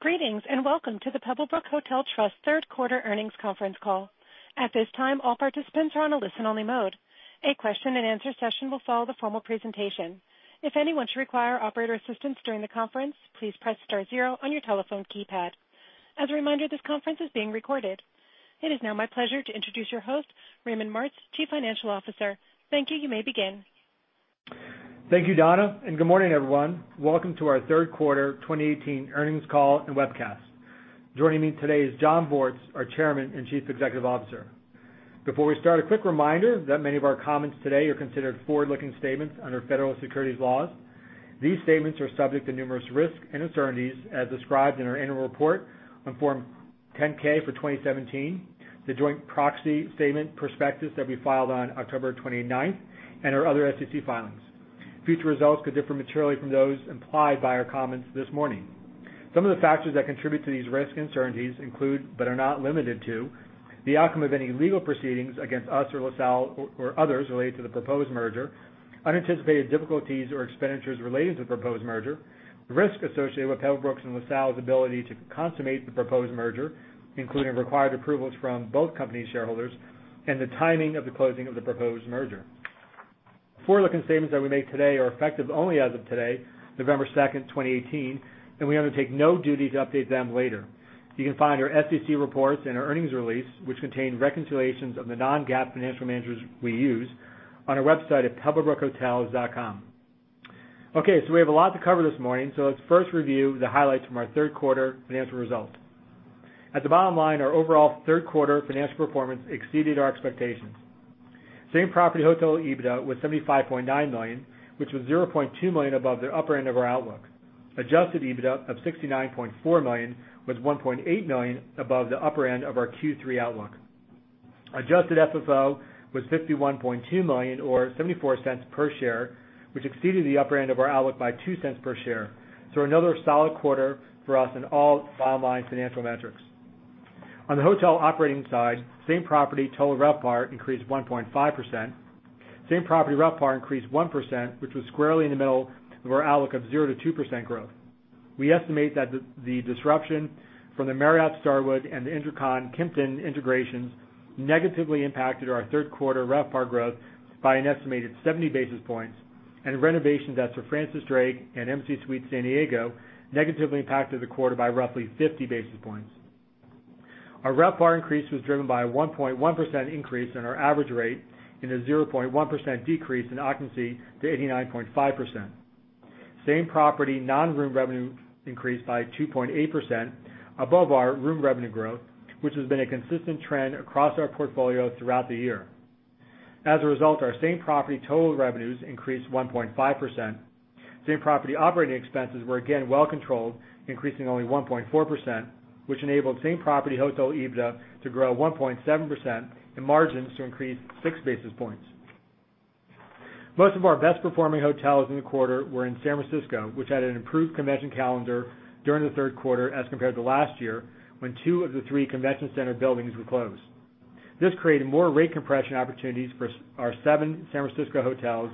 Greetings, and welcome to the Pebblebrook Hotel Trust third quarter earnings conference call. At this time, all participants are on a listen-only mode. A question and answer session will follow the formal presentation. If anyone should require operator assistance during the conference, please press star zero on your telephone keypad. As a reminder, this conference is being recorded. It is now my pleasure to introduce your host, Raymond Martz, Chief Financial Officer. Thank you. You may begin. Thank you, Donna, and good morning, everyone. Welcome to our third quarter 2018 earnings call and webcast. Joining me today is Jon Bortz, our Chairman and Chief Executive Officer. Before we start, a quick reminder that many of our comments today are considered forward-looking statements under federal securities laws. These statements are subject to numerous risks and uncertainties as described in our annual report on Form 10-K for 2017, the joint proxy statement prospectus that we filed on October 29th, and our other SEC filings. Future results could differ materially from those implied by our comments this morning. Some of the factors that contribute to these risks and uncertainties include, but are not limited to, the outcome of any legal proceedings against us or LaSalle or others related to the proposed merger, unanticipated difficulties or expenditures related to the proposed merger, risk associated with Pebblebrook's and LaSalle's ability to consummate the proposed merger, including required approvals from both companies' shareholders, and the timing of the closing of the proposed merger. Forward-looking statements that we make today are effective only as of today, November 2nd, 2018, and we undertake no duty to update them later. You can find our SEC reports and our earnings release, which contain reconciliations of the non-GAAP financial measures we use on our website at pebblebrookhotels.com. Okay, so we have a lot to cover this morning, so let's first review the highlights from our third quarter financial results. At the bottom line, our overall third-quarter financial performance exceeded our expectations. Same property hotel EBITDA was $75.9 million, which was $0.2 million above the upper end of our outlook. Adjusted EBITDA of $69.4 million was $1.8 million above the upper end of our Q3 outlook. Adjusted FFO was $51.2 million, or $0.74 per share, which exceeded the upper end of our outlook by $0.02 per share. Another solid quarter for us in all bottom line financial metrics. On the hotel operating side, same property total RevPAR increased 1.5%. Same property RevPAR increased 1%, which was squarely in the middle of our outlook of 0% to 2% growth. We estimate that the disruption from the Marriott-Starwood and the InterCon Kimpton integrations negatively impacted our third quarter RevPAR growth by an estimated 70 basis points, and renovations at Sir Francis Drake and Embassy Suites San Diego negatively impacted the quarter by roughly 50 basis points. Our RevPAR increase was driven by a 1.1% increase in our average rate and a 0.1% decrease in occupancy to 89.5%. Same property non-room revenue increased by 2.8% above our room revenue growth, which has been a consistent trend across our portfolio throughout the year. As a result, our same property total revenues increased 1.5%. Same property operating expenses were again well controlled, increasing only 1.4%, which enabled same property hotel EBITDA to grow 1.7% and margins to increase six basis points. Most of our best-performing hotels in the quarter were in San Francisco, which had an improved convention calendar during the third quarter as compared to last year, when two of the three convention center buildings were closed. This created more rate compression opportunities for our seven San Francisco hotels,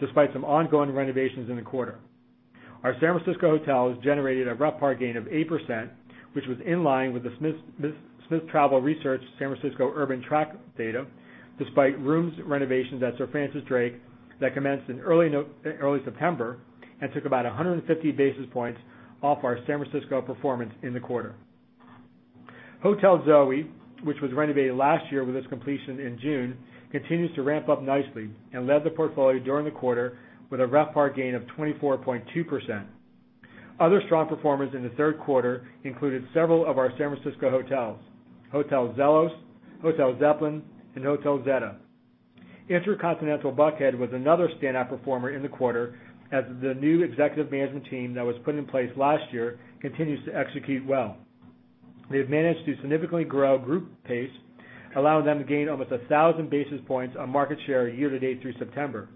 despite some ongoing renovations in the quarter. Our San Francisco hotels generated a RevPAR gain of 8%, which was in line with the Smith Travel Research San Francisco urban track data, despite rooms renovations at Sir Francis Drake that commenced in early September and took about 150 basis points off our San Francisco performance in the quarter. Hotel Zoe, which was renovated last year with its completion in June, continues to ramp up nicely and led the portfolio during the quarter with a RevPAR gain of 24.2%. Other strong performers in the third quarter included several of our San Francisco hotels, Hotel Zelos, Hotel Zeppelin, and Hotel Zetta. InterContinental Buckhead was another standout performer in the quarter as the new executive management team that was put in place last year continues to execute well. They have managed to significantly grow group pace, allowing them to gain almost 1,000 basis points on market share year to date through September.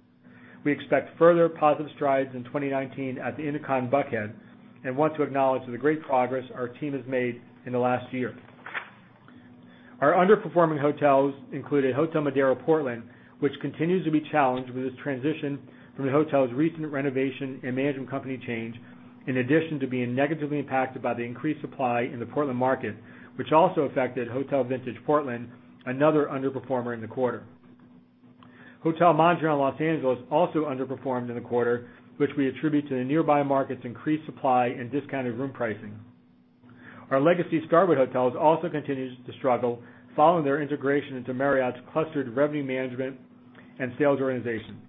We expect further positive strides in 2019 at the InterCon Buckhead and want to acknowledge the great progress our team has made in the last year. Our underperforming hotels included Hotel Monaco Portland, which continues to be challenged with its transition from the hotel's recent renovation and management company change, in addition to being negatively impacted by the increased supply in the Portland market, which also affected Hotel Vintage Portland, another underperformer in the quarter. Hotel Mondrian Los Angeles also underperformed in the quarter, which we attribute to the nearby market's increased supply and discounted room pricing. Our Legacy Starwood Hotels also continues to struggle following their integration into Marriott's clustered revenue management and sales organization.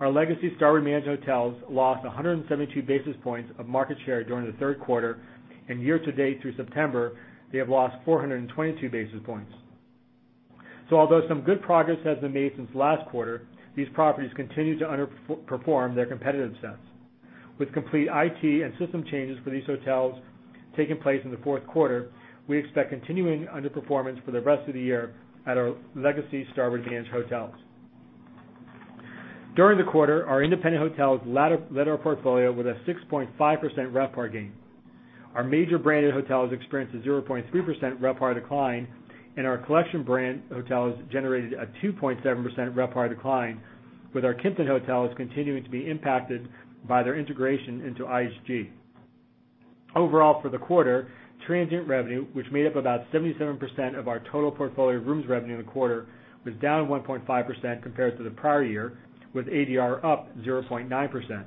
Our Legacy Starwood Management hotels lost 172 basis points of market share during the third quarter, and year to date through September, they have lost 422 basis points. Although some good progress has been made since last quarter, these properties continue to underperform their competitive sets. With complete IT and system changes for these hotels taking place in the fourth quarter, we expect continuing underperformance for the rest of the year at our Legacy Starwood Management hotels. During the quarter, our independent hotels led our portfolio with a 6.5% RevPAR gain. Our major branded hotels experienced a 0.3% RevPAR decline, and our collection brand hotels generated a 2.7% RevPAR decline. With our Kimpton Hotel is continuing to be impacted by their integration into IHG. Overall, for the quarter, transient revenue, which made up about 77% of our total portfolio rooms revenue in the quarter, was down 1.5% compared to the prior year, with ADR up 0.9%.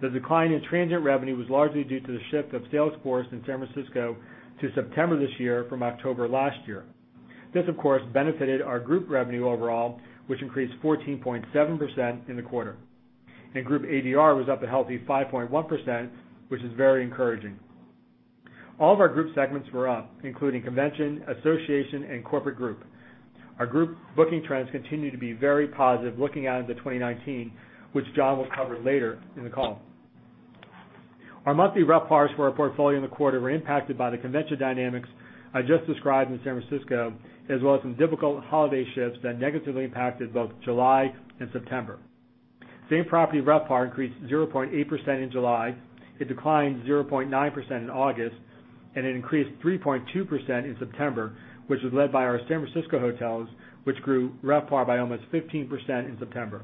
The decline in transient revenue was largely due to the shift of sales force in San Francisco to September this year from October last year. This, of course, benefited our group revenue overall, which increased 14.7% in the quarter. Group ADR was up a healthy 5.1%, which is very encouraging. All of our group segments were up, including convention, association, and corporate group. Our group booking trends continue to be very positive looking out into 2019, which Jon will cover later in the call. Our monthly RevPARs for our portfolio in the quarter were impacted by the convention dynamics I just described in San Francisco, as well as some difficult holiday shifts that negatively impacted both July and September. Same property RevPAR increased 0.8% in July. It declined 0.9% in August, and it increased 3.2% in September, which was led by our San Francisco hotels, which grew RevPAR by almost 15% in September.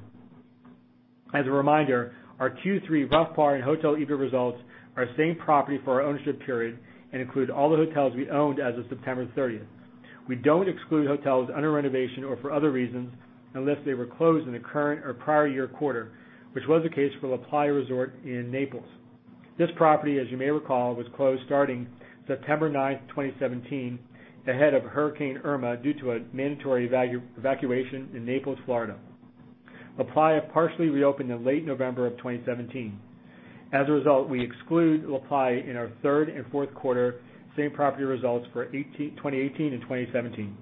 As a reminder, our Q3 RevPAR and hotel EBIT results are same property for our ownership period and include all the hotels we owned as of September 30th. We don't exclude hotels under renovation or for other reasons unless they were closed in the current or prior year quarter, which was the case for LaPlaya Resort in Naples. This property, as you may recall, was closed starting September 9, 2017, ahead of Hurricane Irma due to a mandatory evacuation in Naples, Florida. LaPlaya partially reopened in late November of 2017. As a result, we exclude LaPlaya in our third and fourth quarter same property results for 2018 and 2017.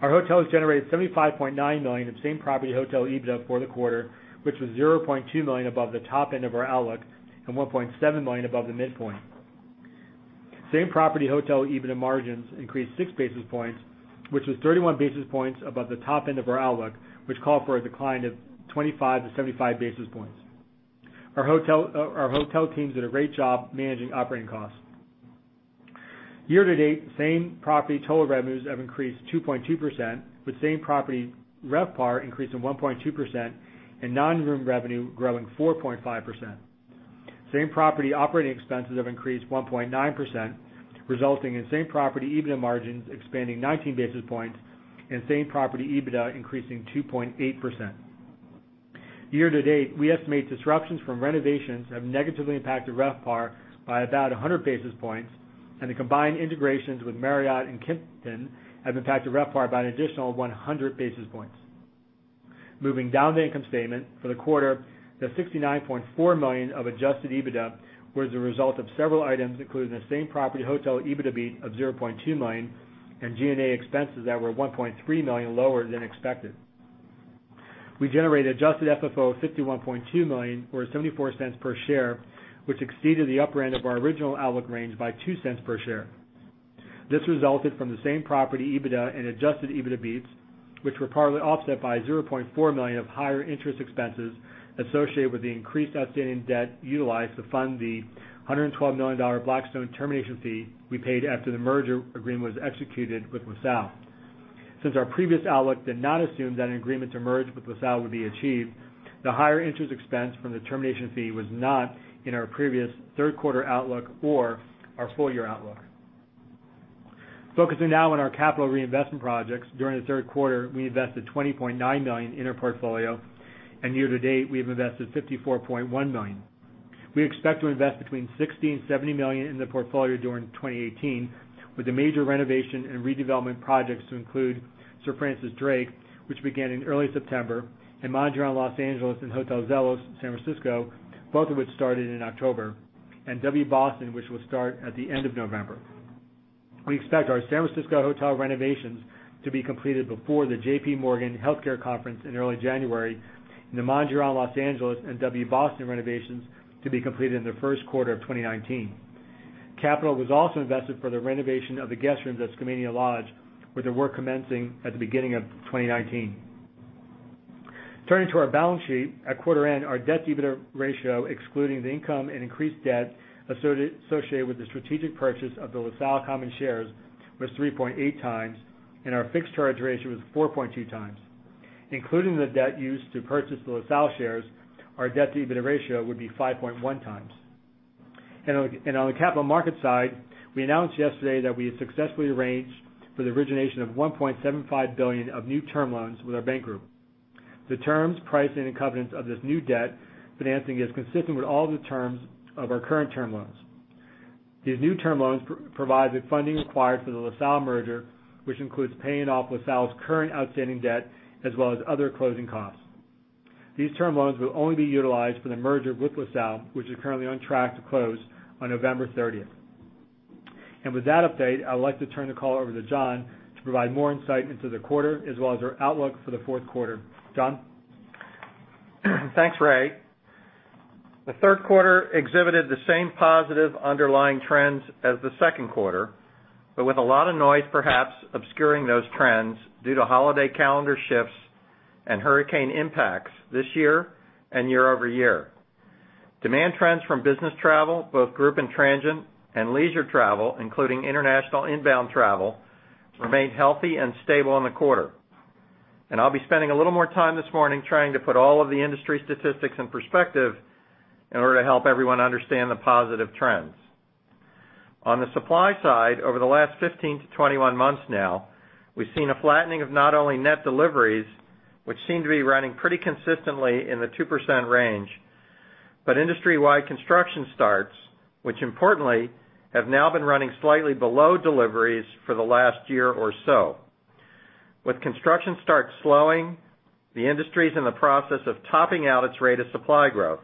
Our hotels generated $75.9 million of same-property hotel EBITDA for the quarter, which was $0.2 million above the top end of our outlook and $1.7 million above the midpoint. Same-property hotel EBITDA margins increased six basis points, which was 31 basis points above the top end of our outlook, which called for a decline of 25-75 basis points. Our hotel teams did a great job managing operating costs. Year-to-date, same-property total revenues have increased 2.2%, with same-property RevPAR increasing 1.2% and non-room revenue growing 4.5%. Same-property operating expenses have increased 1.9%, resulting in same-property EBITDA margins expanding 19 basis points and same-property EBITDA increasing 2.8%. Year-to-date, we estimate disruptions from renovations have negatively impacted RevPAR by about 100 basis points, and the combined integrations with Marriott and Kimpton have impacted RevPAR by an additional 100 basis points. Moving down the income statement, for the quarter, the $69.4 million of adjusted EBITDA was the result of several items, including the same-property hotel EBITDA beat of $0.2 million and G&A expenses that were $1.3 million lower than expected. We generated adjusted FFO of $51.2 million or $0.74 per share, which exceeded the upper end of our original outlook range by $0.02 per share. This resulted from the same property EBITDA and adjusted EBITDA beats, which were partly offset by $0.4 million of higher interest expenses associated with the increased outstanding debt utilized to fund the $112 million Blackstone termination fee we paid after the merger agreement was executed with LaSalle. Since our previous outlook did not assume that an agreement to merge with LaSalle would be achieved, the higher interest expense from the termination fee was not in our previous third quarter outlook or our full-year outlook. Focusing now on our capital reinvestment projects, during the third quarter, we invested $20.9 million in our portfolio, and year-to-date, we have invested $54.1 million. We expect to invest between $60 million and $70 million in the portfolio during 2018, with the major renovation and redevelopment projects to include Sir Francis Drake, which began in early September, Mondrian Los Angeles and Hotel Zelos San Francisco, both of which started in October, and W Boston, which will start at the end of November. We expect our San Francisco hotel renovations to be completed before the J.P. Morgan Healthcare Conference in early January, and the Mondrian Los Angeles and W Boston renovations to be completed in the first quarter of 2019. Capital was also invested for the renovation of the guest rooms at Skamania Lodge, with the work commencing at the beginning of 2019. Turning to our balance sheet, at quarter end, our debt-to-EBITDA ratio, excluding the income and increased debt associated with the strategic purchase of the LaSalle common shares, was 3.8 times, and our fixed charge ratio was 4.2 times. Including the debt used to purchase the LaSalle shares, our debt-to-EBITDA ratio would be 5.1 times. On the capital market side, we announced yesterday that we had successfully arranged for the origination of $1.75 billion of new term loans with our bank group. The terms, pricing, and covenants of this new debt financing is consistent with all the terms of our current term loans. These new term loans provide the funding required for the LaSalle merger, which includes paying off LaSalle's current outstanding debt as well as other closing costs. These term loans will only be utilized for the merger with LaSalle, which is currently on track to close on November 30th. With that update, I'd like to turn the call over to Jon to provide more insight into the quarter as well as our outlook for the fourth quarter. John? Thanks, Ray. The third quarter exhibited the same positive underlying trends as the second quarter, with a lot of noise perhaps obscuring those trends due to holiday calendar shifts and hurricane impacts this year and year-over-year. Demand trends from business travel, both group and transient and leisure travel, including international inbound travel, remained healthy and stable in the quarter. I'll be spending a little more time this morning trying to put all of the industry statistics in perspective in order to help everyone understand the positive trends. On the supply side, over the last 15 to 21 months now, we've seen a flattening of not only net deliveries, which seem to be running pretty consistently in the 2% range, but industry-wide construction starts, which importantly, have now been running slightly below deliveries for the last year or so. With construction starts slowing, the industry's in the process of topping out its rate of supply growth.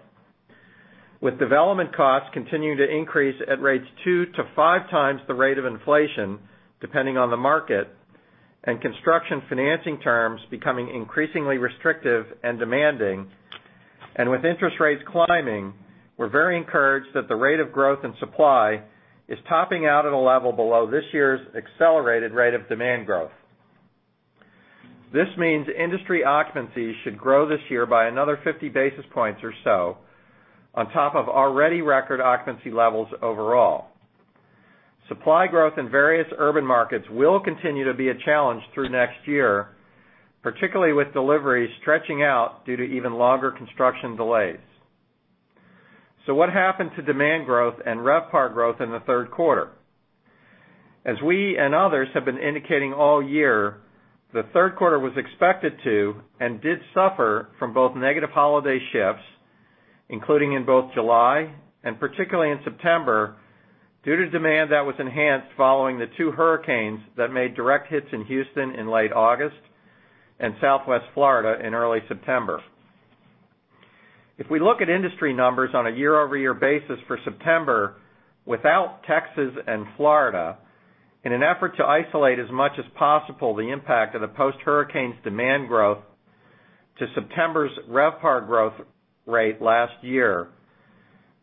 With development costs continuing to increase at rates two to five times the rate of inflation, depending on the market, and construction financing terms becoming increasingly restrictive and demanding, and with interest rates climbing, we're very encouraged that the rate of growth in supply is topping out at a level below this year's accelerated rate of demand growth. This means industry occupancy should grow this year by another 50 basis points or so on top of already record occupancy levels overall. Supply growth in various urban markets will continue to be a challenge through next year, particularly with deliveries stretching out due to even longer construction delays. What happened to demand growth and RevPAR growth in the third quarter? As we and others have been indicating all year, the third quarter was expected to and did suffer from both negative holiday shifts, including in both July and particularly in September, due to demand that was enhanced following the two hurricanes that made direct hits in Houston in late August and Southwest Florida in early September. If we look at industry numbers on a year-over-year basis for September, without Texas and Florida, in an effort to isolate as much as possible the impact of the post-hurricanes' demand growth to September's RevPAR growth rate last year,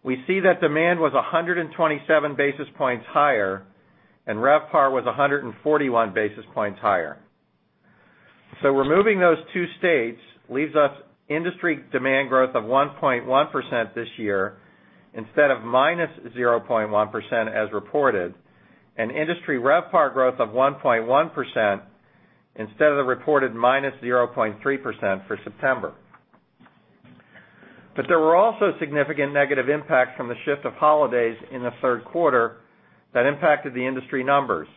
we see that demand was 127 basis points higher, and RevPAR was 141 basis points higher. Removing those two states leaves us industry demand growth of 1.1% this year instead of -0.1% as reported, and industry RevPAR growth of 1.1% instead of the reported -0.3% for September. There were also significant negative impacts from the shift of holidays in the third quarter that impacted the industry numbers.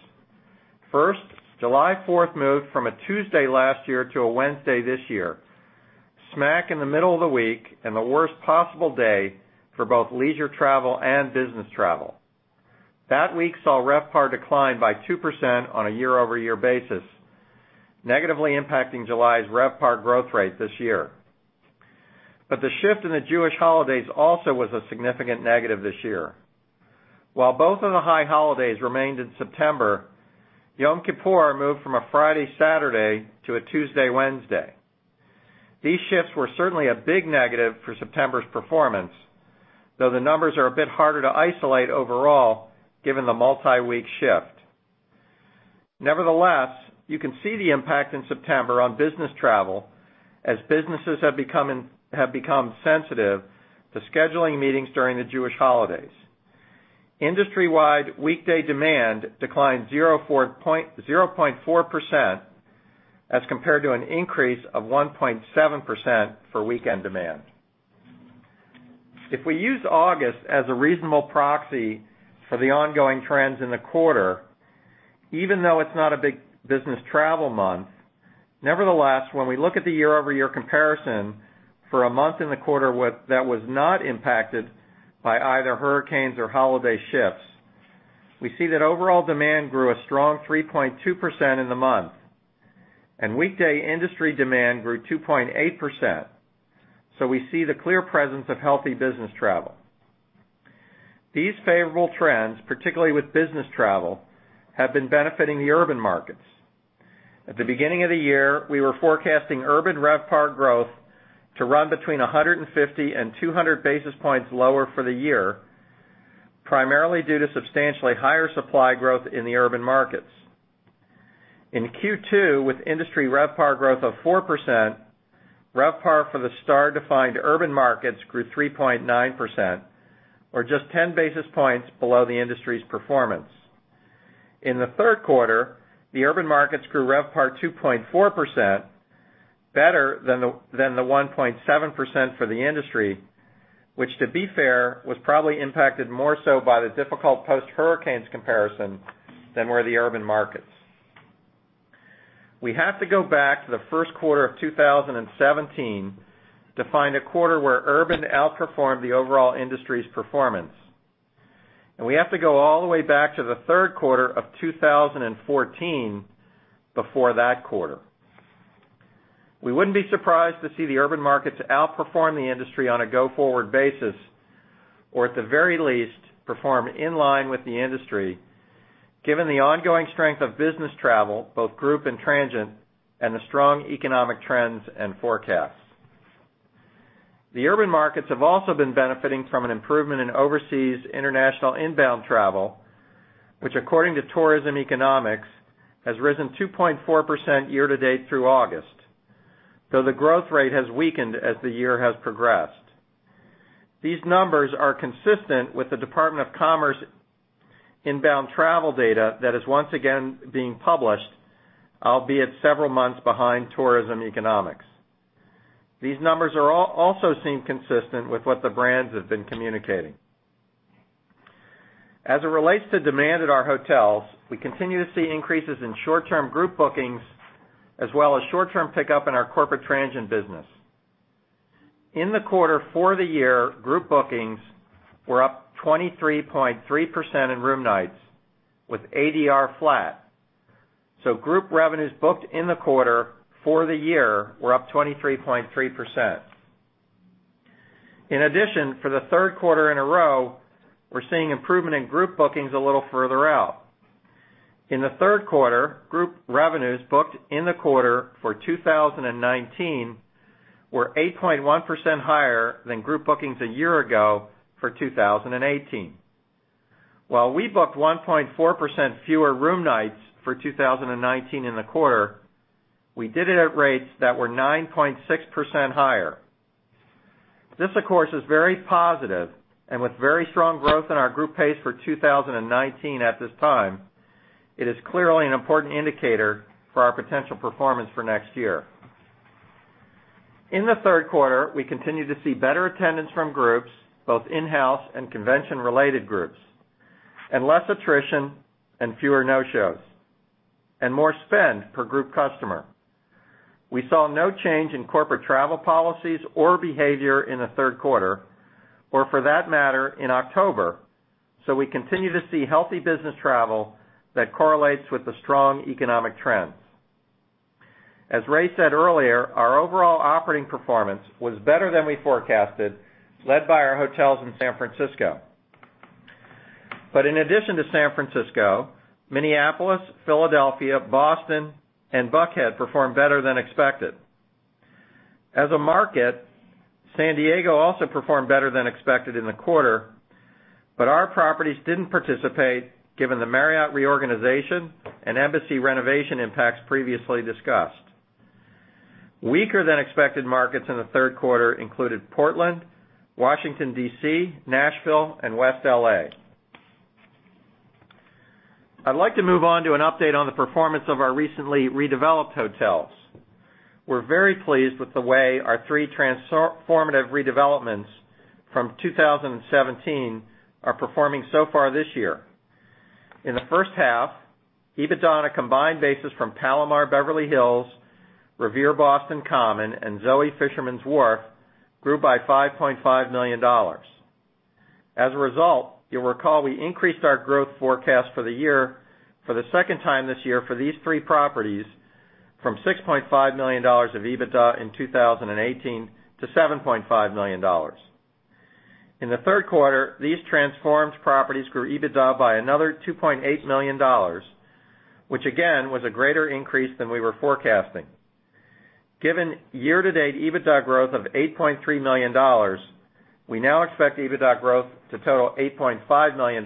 First, July 4th moved from a Tuesday last year to a Wednesday this year, smack in the middle of the week and the worst possible day for both leisure travel and business travel. That week saw RevPAR decline by 2% on a year-over-year basis, negatively impacting July's RevPAR growth rate this year. The shift in the Jewish holidays also was a significant negative this year. While both of the high holidays remained in September, Yom Kippur moved from a Friday-Saturday to a Tuesday-Wednesday. These shifts were certainly a big negative for September's performance, though the numbers are a bit harder to isolate overall given the multi-week shift. Nevertheless, you can see the impact in September on business travel as businesses have become sensitive to scheduling meetings during the Jewish holidays. Industry-wide weekday demand declined 0.4% as compared to an increase of 1.7% for weekend demand. If we use August as a reasonable proxy for the ongoing trends in the quarter, even though it's not a big business travel month, nevertheless, when we look at the year-over-year comparison for a month in the quarter that was not impacted by either hurricanes or holiday shifts, we see that overall demand grew a strong 3.2% in the month, and weekday industry demand grew 2.8%. We see the clear presence of healthy business travel. These favorable trends, particularly with business travel, have been benefiting the urban markets. At the beginning of the year, we were forecasting urban RevPAR growth to run between 150 and 200 basis points lower for the year, primarily due to substantially higher supply growth in the urban markets. In Q2, with industry RevPAR growth of 4%, RevPAR for the STR-defined urban markets grew 3.9%, or just 10 basis points below the industry's performance. In the third quarter, the urban markets grew RevPAR 2.4%, better than the 1.7% for the industry, which to be fair, was probably impacted more so by the difficult post-hurricanes comparison than were the urban markets. We have to go back to the first quarter of 2017 to find a quarter where urban outperformed the overall industry's performance. We have to go all the way back to the third quarter of 2014 before that quarter. We wouldn't be surprised to see the urban markets outperform the industry on a go-forward basis, or at the very least, perform in line with the industry, given the ongoing strength of business travel, both group and transient, and the strong economic trends and forecasts. The urban markets have also been benefiting from an improvement in overseas international inbound travel, which according to Tourism Economics, has risen 2.4% year-to-date through August, though the growth rate has weakened as the year has progressed. These numbers are consistent with the Department of Commerce inbound travel data that is once again being published, albeit several months behind Tourism Economics. These numbers also seem consistent with what the brands have been communicating. As it relates to demand at our hotels, we continue to see increases in short-term group bookings as well as short-term pickup in our corporate transient business. In the quarter for the year, group bookings were up 23.3% in room nights with ADR flat. Group revenues booked in the quarter for the year were up 23.3%. In addition, for the third quarter in a row, we're seeing improvement in group bookings a little further out. In the third quarter, group revenues booked in the quarter for 2019 were 8.1% higher than group bookings a year-ago for 2018. While we booked 1.4% fewer room nights for 2019 in the quarter, we did it at rates that were 9.6% higher. This, of course, is very positive and with very strong growth in our group pace for 2019 at this time, it is clearly an important indicator for our potential performance for next year. In the third quarter, we continued to see better attendance from groups, both in-house and convention-related groups, and less attrition and fewer no-shows, and more spend per group customer. We saw no change in corporate travel policies or behavior in the third quarter or for that matter in October. We continue to see healthy business travel that correlates with the strong economic trends. As Ray said earlier, our overall operating performance was better than we forecasted, led by our hotels in San Francisco. In addition to San Francisco, Minneapolis, Philadelphia, Boston and Buckhead performed better than expected. As a market, San Diego also performed better than expected in the quarter, but our properties didn't participate given the Marriott reorganization and Embassy renovation impacts previously discussed. Weaker than expected markets in the third quarter included Portland, Washington, D.C., Nashville and West L.A. I'd like to move on to an update on the performance of our recently redeveloped hotels. We're very pleased with the way our three transformative redevelopments from 2017 are performing so far this year. In the first half, EBITDA on a combined basis from Palomar Beverly Hills, Revere Boston Common and Zoe Fisherman's Wharf grew by $5.5 million. As a result, you'll recall we increased our growth forecast for the year for the second time this year for these three properties from $6.5 million of EBITDA in 2018 to $7.5 million. In the third quarter, these transformed properties grew EBITDA by another $2.8 million, which again, was a greater increase than we were forecasting. Given year to date EBITDA growth of $8.3 million, we now expect EBITDA growth to total $8.5 million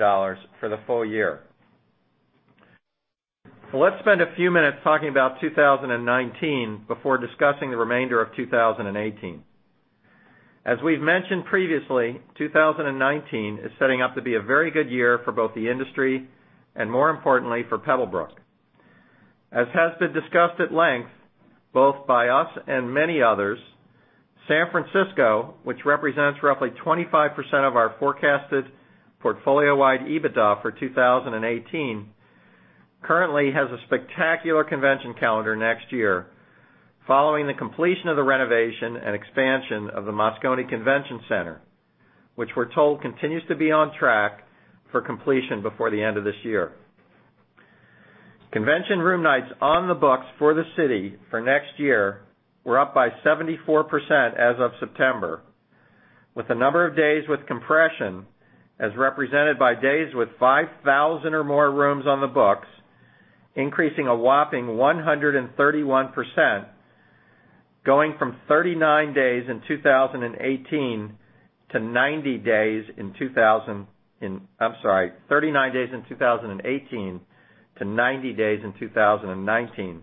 for the full year. Let's spend a few minutes talking about 2019 before discussing the remainder of 2018. As we've mentioned previously, 2019 is setting up to be a very good year for both the industry and, more importantly, for Pebblebrook. As has been discussed at length both by us and many others, San Francisco, which represents roughly 25% of our forecasted portfolio-wide EBITDA for 2018, currently has a spectacular convention calendar next year following the completion of the renovation and expansion of the Moscone Convention Center, which we're told continues to be on track for completion before the end of this year. Convention room nights on the books for the city for next year were up by 74% as of September, with the number of days with compression as represented by days with 5,000 or more rooms on the books, increasing a whopping 131%, going from 39 days in 2018 to 90 days in 2019,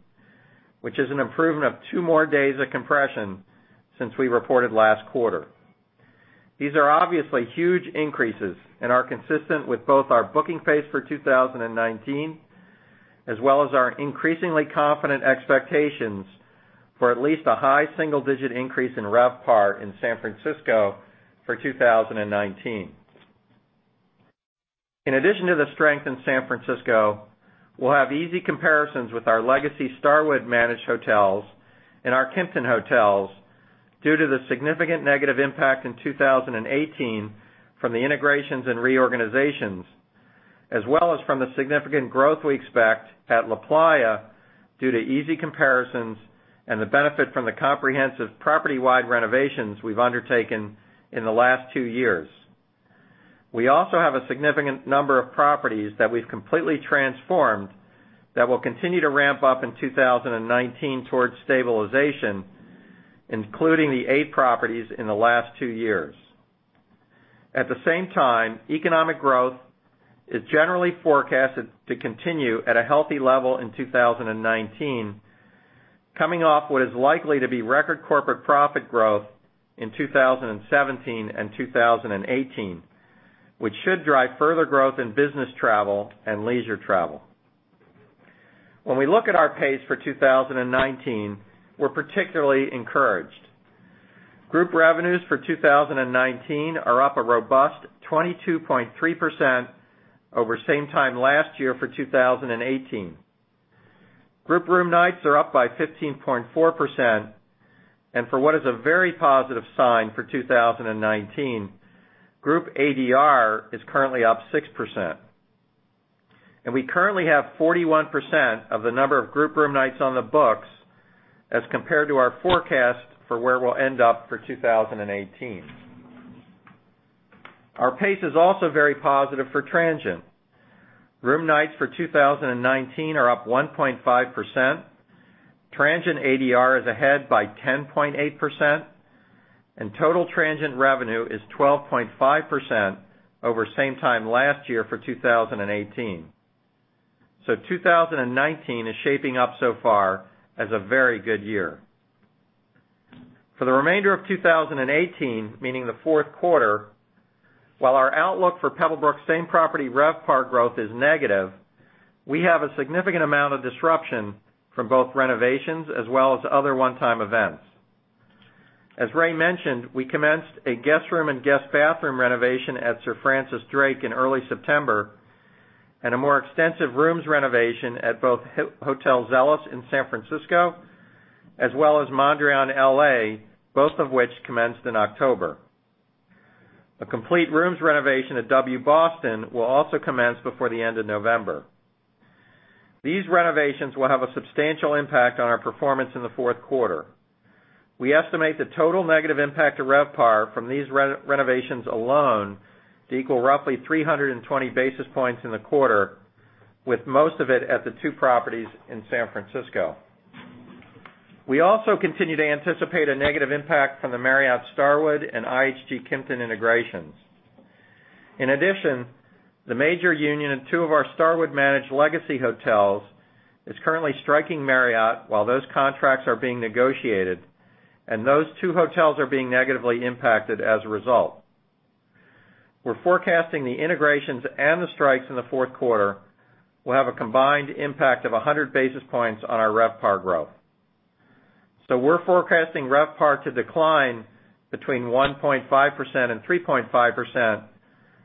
which is an improvement of two more days of compression since we reported last quarter. These are obviously huge increases and are consistent with both our booking pace for 2019, as well as our increasingly confident expectations for at least a high single-digit increase in RevPAR in San Francisco for 2019. In addition to the strength in San Francisco, we'll have easy comparisons with our Legacy Starwood-managed hotels and our Kimpton Hotels due to the significant negative impact in 2018 from the integrations and reorganizations as well as from the significant growth we expect at LaPlaya due to easy comparisons and the benefit from the comprehensive property-wide renovations we've undertaken in the last two years. We also have a significant number of properties that we've completely transformed that will continue to ramp up in 2019 towards stabilization, including the eight properties in the last two years. At the same time, economic growth is generally forecasted to continue at a healthy level in 2019, coming off what is likely to be record corporate profit growth in 2017 and 2018, which should drive further growth in business travel and leisure travel. When we look at our pace for 2019, we're particularly encouraged. Group revenues for 2019 are up a robust 22.3% over same time last year for 2018. Group room nights are up by 15.4%. For what is a very positive sign for 2019, group ADR is currently up 6%. We currently have 41% of the number of group room nights on the books as compared to our forecast for where we'll end up for 2018. Our pace is also very positive for transient. Room nights for 2019 are up 1.5%. Transient ADR is ahead by 10.8%, and total transient revenue is 12.5% over same time last year for 2018. 2019 is shaping up so far as a very good year. For the remainder of 2018, meaning the fourth quarter, while our outlook for Pebblebrook same-property RevPAR growth is negative, we have a significant amount of disruption from both renovations as well as other one-time events. As Ray mentioned, we commenced a guest room and guest bathroom renovation at Sir Francis Drake in early September, and a more extensive rooms renovation at both Hotel Zelos in San Francisco, as well as Mondrian LA, both of which commenced in October. A complete rooms renovation at W Boston will also commence before the end of November. These renovations will have a substantial impact on our performance in the fourth quarter. We estimate the total negative impact to RevPAR from these renovations alone to equal roughly 320 basis points in the quarter, with most of it at the two properties in San Francisco. We also continue to anticipate a negative impact from the Marriott-Starwood and IHG-Kimpton integrations. In addition, the major union in two of our Starwood-managed legacy hotels is currently striking Marriott while those contracts are being negotiated, and those two hotels are being negatively impacted as a result. We're forecasting the integrations and the strikes in the fourth quarter will have a combined impact of 100 basis points on our RevPAR growth. We're forecasting RevPAR to decline between 1.5% and 3.5%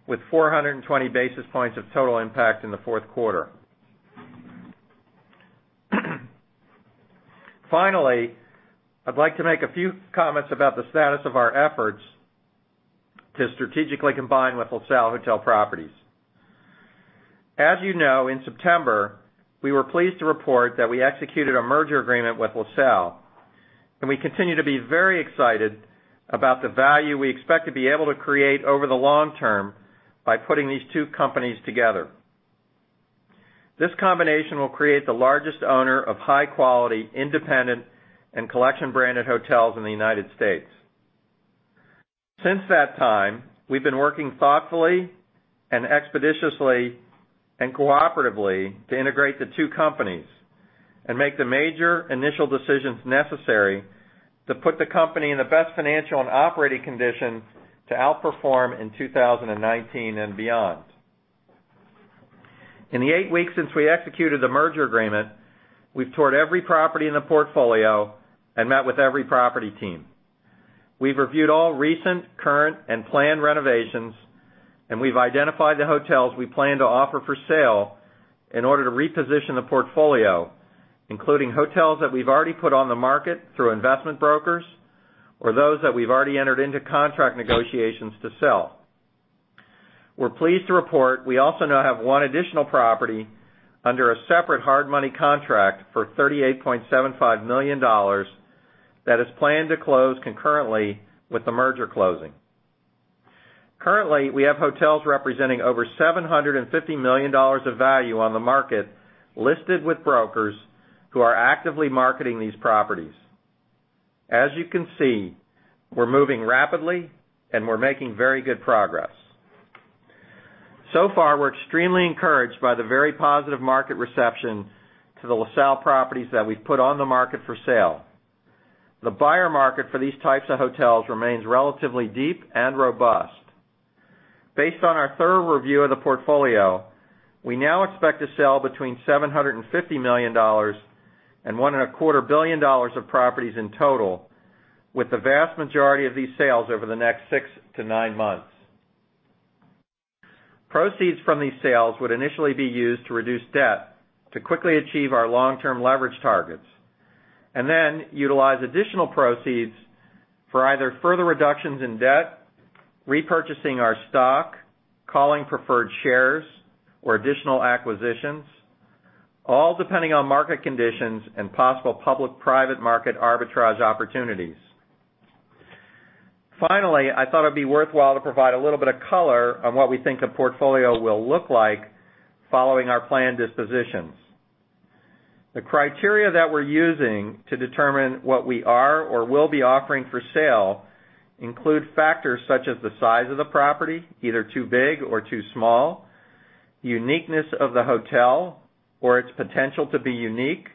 with 420 basis points of total impact in the fourth quarter. Finally, I'd like to make a few comments about the status of our efforts to strategically combine with LaSalle Hotel Properties. As you know, in September, we were pleased to report that we executed a merger agreement with LaSalle, and we continue to be very excited about the value we expect to be able to create over the long term by putting these two companies together. This combination will create the largest owner of high-quality independent and collection-branded hotels in the United States. Since that time, we've been working thoughtfully, expeditiously, and cooperatively to integrate the two companies and make the major initial decisions necessary to put the company in the best financial and operating condition to outperform in 2019 and beyond. In the eight weeks since we executed the merger agreement, we've toured every property in the portfolio and met with every property team. We've reviewed all recent, current, and planned renovations, and we've identified the hotels we plan to offer for sale in order to reposition the portfolio, including hotels that we've already put on the market through investment brokers, or those that we've already entered into contract negotiations to sell. We're pleased to report we also now have one additional property under a separate hard money contract for $38.75 million that is planned to close concurrently with the merger closing. Currently, we have hotels representing over $750 million of value on the market listed with brokers who are actively marketing these properties. Far, we're extremely encouraged by the very positive market reception to the LaSalle properties that we've put on the market for sale. The buyer market for these types of hotels remains relatively deep and robust. Based on our thorough review of the portfolio, we now expect to sell between $750 million-$1.25 billion of properties in total, with the vast majority of these sales over the next six to nine months. Proceeds from these sales would initially be used to reduce debt to quickly achieve our long-term leverage targets, and then utilize additional proceeds for either further reductions in debt, repurchasing our stock, calling preferred shares, or additional acquisitions, all depending on market conditions and possible public-private market arbitrage opportunities. Finally, I thought it'd be worthwhile to provide a little bit of color on what we think the portfolio will look like following our planned dispositions. The criteria that we're using to determine what we are or will be offering for sale include factors such as the size of the property, either too big or too small, uniqueness of the hotel or its potential to be unique,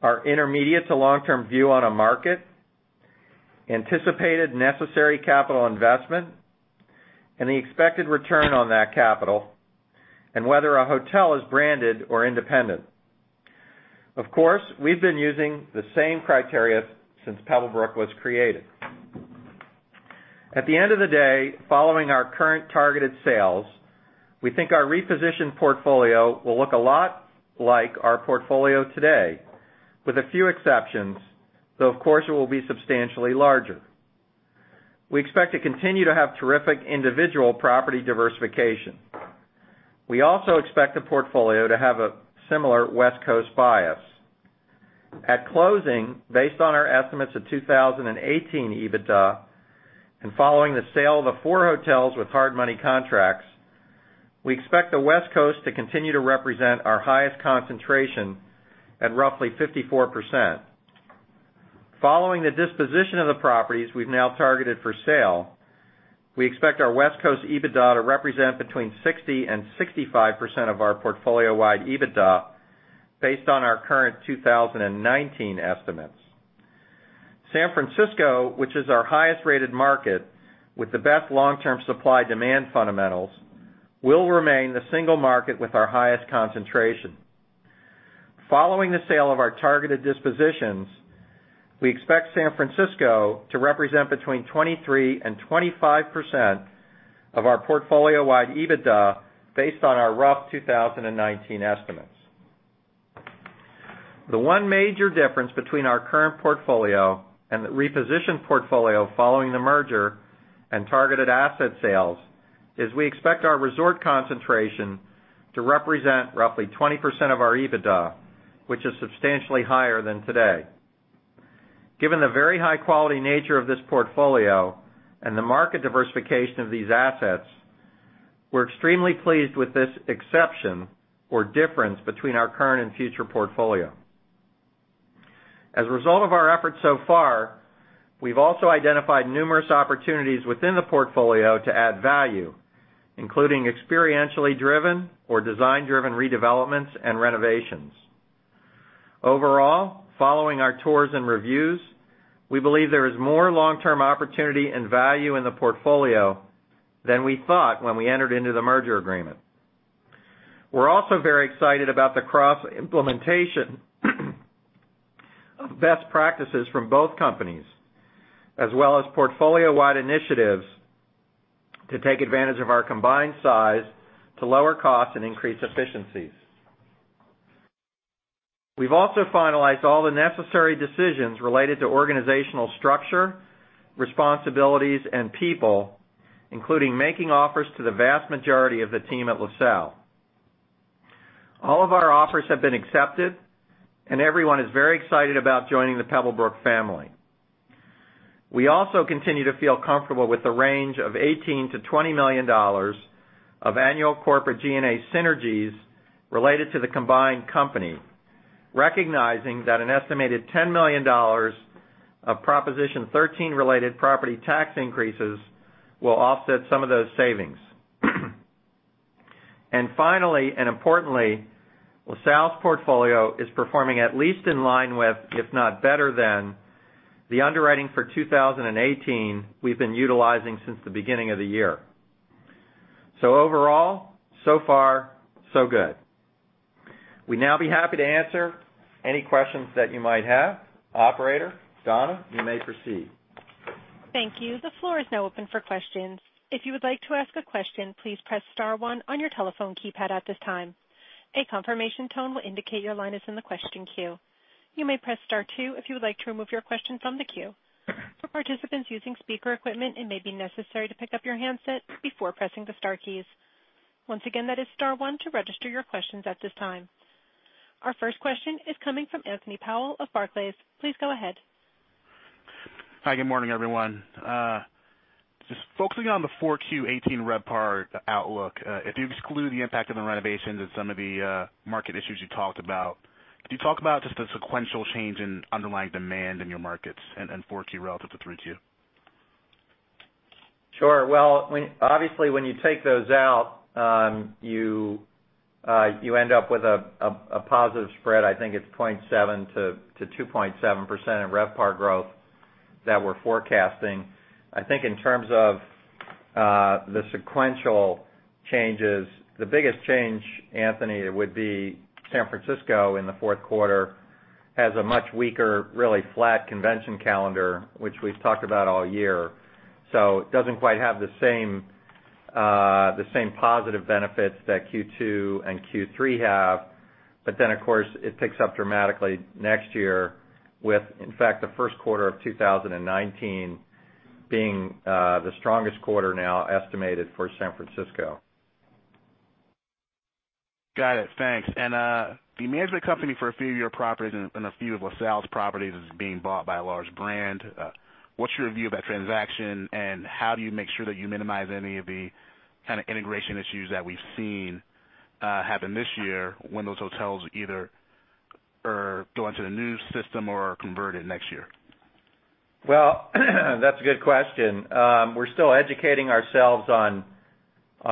our intermediate to long-term view on a market, anticipated necessary capital investment, and the expected return on that capital, and whether a hotel is branded or independent. Of course, we've been using the same criteria since Pebblebrook was created. At the end of the day, following our current targeted sales, we think our repositioned portfolio will look a lot like our portfolio today, with a few exceptions, though, of course, it will be substantially larger. We expect to continue to have terrific individual property diversification. We also expect the portfolio to have a similar West Coast bias. At closing, based on our estimates of 2018 EBITDA and following the sale of the four hotels with hard money contracts, we expect the West Coast to continue to represent our highest concentration at roughly 54%. Following the disposition of the properties we've now targeted for sale, we expect our West Coast EBITDA to represent between 60%-65% of our portfolio-wide EBITDA based on our current 2019 estimates. San Francisco, which is our highest-rated market with the best long-term supply-demand fundamentals, will remain the single market with our highest concentration. Following the sale of our targeted dispositions, we expect San Francisco to represent between 23% and 25% of our portfolio-wide EBITDA based on our rough 2019 estimates. The one major difference between our current portfolio and the repositioned portfolio following the merger and targeted asset sales is we expect our resort concentration to represent roughly 20% of our EBITDA, which is substantially higher than today. Given the very high-quality nature of this portfolio and the market diversification of these assets, we're extremely pleased with this exception or difference between our current and future portfolio. As a result of our efforts so far, we've also identified numerous opportunities within the portfolio to add value, including experientially driven or design-driven redevelopments and renovations. Following our tours and reviews, we believe there is more long-term opportunity and value in the portfolio than we thought when we entered into the merger agreement. We're also very excited about the cross-implementation of best practices from both companies, as well as portfolio-wide initiatives to take advantage of our combined size to lower costs and increase efficiencies. We've also finalized all the necessary decisions related to organizational structure, responsibilities, and people, including making offers to the vast majority of the team at LaSalle. All of our offers have been accepted, and everyone is very excited about joining the Pebblebrook family. We also continue to feel comfortable with the range of $18 million-$20 million of annual corporate G&A synergies related to the combined company, recognizing that an estimated $10 million of Proposition 13 related property tax increases will offset some of those savings. Finally, and importantly, LaSalle's portfolio is performing at least in line with, if not better than, the underwriting for 2018 we've been utilizing since the beginning of the year. Overall, so far, so good. We'd now be happy to answer any questions that you might have. Operator, Donna, you may proceed. Thank you. The floor is now open for questions. If you would like to ask a question, please press star one on your telephone keypad at this time. A confirmation tone will indicate your line is in the question queue. You may press star two if you would like to remove your question from the queue. For participants using speaker equipment, it may be necessary to pick up your handset before pressing the star keys. Once again, that is star one to register your questions at this time. Our first question is coming from Anthony Powell of Barclays. Please go ahead. Hi, good morning, everyone. Just focusing on the 4Q 2018 RevPAR outlook, if you exclude the impact of the renovations and some of the market issues you talked about, could you talk about just the sequential change in underlying demand in your markets in 4Q relative to 3Q? Well, obviously, when you take those out, you end up with a positive spread. I think it's 0.7% to 2.7% in RevPAR growth that we're forecasting. I think in terms of the sequential changes, the biggest change, Anthony, would be San Francisco in the fourth quarter has a much weaker, really flat convention calendar, which we've talked about all year. It doesn't quite have the same positive benefits that Q2 and Q3 have. Of course, it picks up dramatically next year with, in fact, the first quarter of 2019 being the strongest quarter now estimated for San Francisco. Got it. Thanks. The management company for a few of your properties and a few of LaSalle's properties is being bought by a large brand. What's your view of that transaction, and how do you make sure that you minimize any of the integration issues that we've seen happen this year when those hotels either go into the new system or are converted next year? Well, that's a good question. We're still educating ourselves on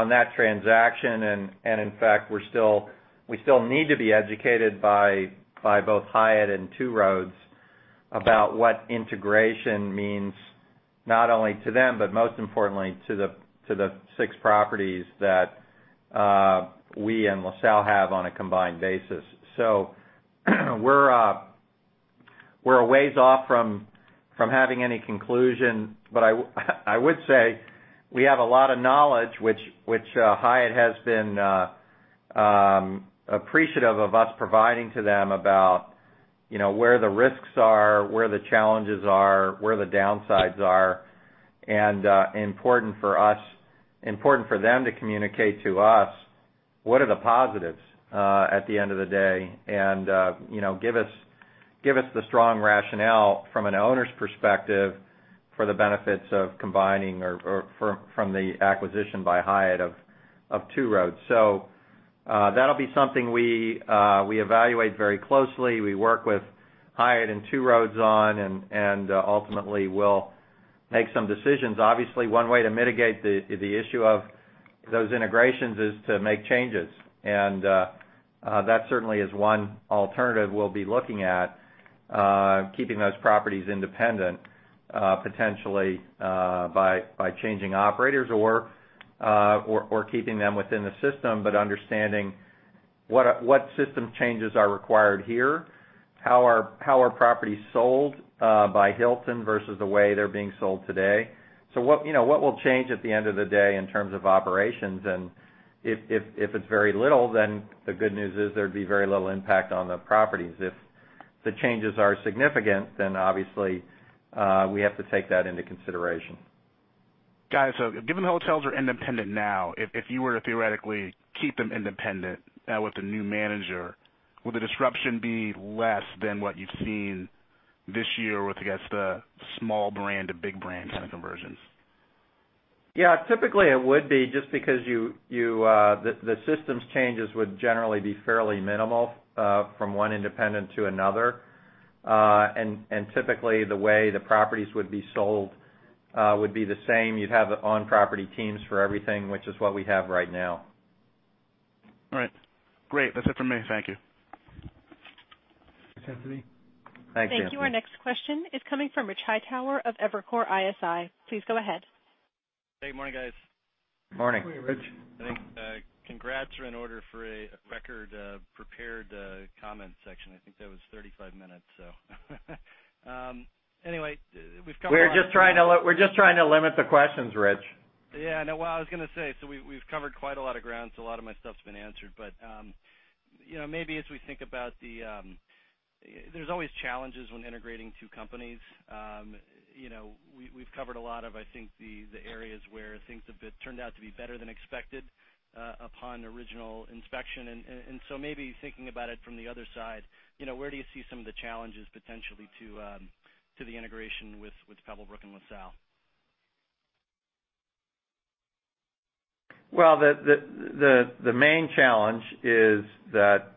that transaction, and in fact, we still need to be educated by both Hyatt and Two Roads about what integration means, not only to them but most importantly to the six properties that we and LaSalle have on a combined basis. We're a ways off from having any conclusion, I would say we have a lot of knowledge, which Hyatt has been appreciative of us providing to them about where the risks are, where the challenges are, where the downsides are. Important for them to communicate to us what are the positives at the end of the day, and give us the strong rationale from an owner's perspective for the benefits of combining or from the acquisition by Hyatt of Two Roads. That'll be something we evaluate very closely, we work with Hyatt and Two Roads on, and ultimately we'll make some decisions. Obviously, one way to mitigate the issue of those integrations is to make changes. That certainly is one alternative we'll be looking at, keeping those properties independent potentially by changing operators or keeping them within the system, but understanding what system changes are required here, how are properties sold by Hilton versus the way they're being sold today. What will change at the end of the day in terms of operations? If it's very little, the good news is there'd be very little impact on the properties. If the changes are significant, obviously we have to take that into consideration. Got it. Given the hotels are independent now, if you were to theoretically keep them independent now with the new manager, will the disruption be less than what you've seen this year with, I guess, the small brand to big brand kind of conversions? Yeah, typically, it would be, just because the systems changes would generally be fairly minimal from one independent to another. Typically, the way the properties would be sold would be the same. You'd have on-property teams for everything, which is what we have right now. All right. Great. That's it for me. Thank you. Thanks, Anthony. Thanks, Anthony. Thank you. Our next question is coming from Rich Hightower of Evercore ISI. Please go ahead. Hey, good morning, guys. Morning. Morning, Rich. I think congrats are in order for a record prepared comments section. I think that was 35 minutes. We've covered a lot We're just trying to limit the questions, Rich. Yeah, no. Well, I was going to say, we've covered quite a lot of ground, so a lot of my stuff's been answered. Maybe as we think about there's always challenges when integrating two companies. We've covered a lot of, I think, the areas where things have turned out to be better than expected upon original inspection. Maybe thinking about it from the other side, where do you see some of the challenges potentially to the integration with Pebblebrook and LaSalle? Well, the main challenge is that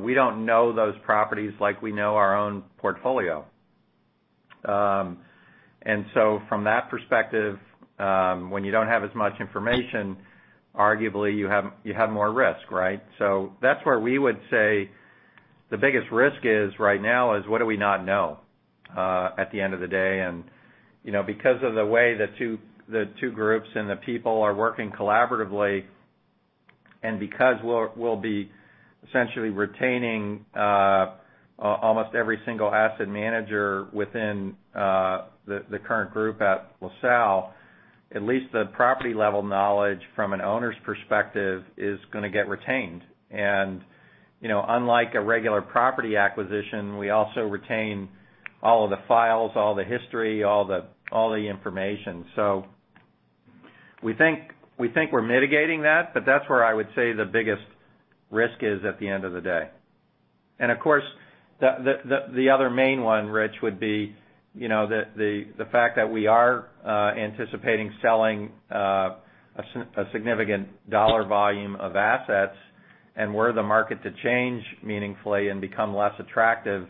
we don't know those properties like we know our own portfolio. From that perspective, when you don't have as much information, arguably, you have more risk, right? That's where we would say the biggest risk is right now is what do we not know at the end of the day? Because of the way the two groups and the people are working collaboratively, because we'll be essentially retaining almost every single asset manager within the current group at LaSalle, at least the property-level knowledge from an owner's perspective is going to get retained. Unlike a regular property acquisition, we also retain all of the files, all the history, all the information. We think we're mitigating that, but that's where I would say the biggest risk is at the end of the day. Of course, the other main one, Rich, would be the fact that we are anticipating selling a significant dollar volume of assets, and were the market to change meaningfully and become less attractive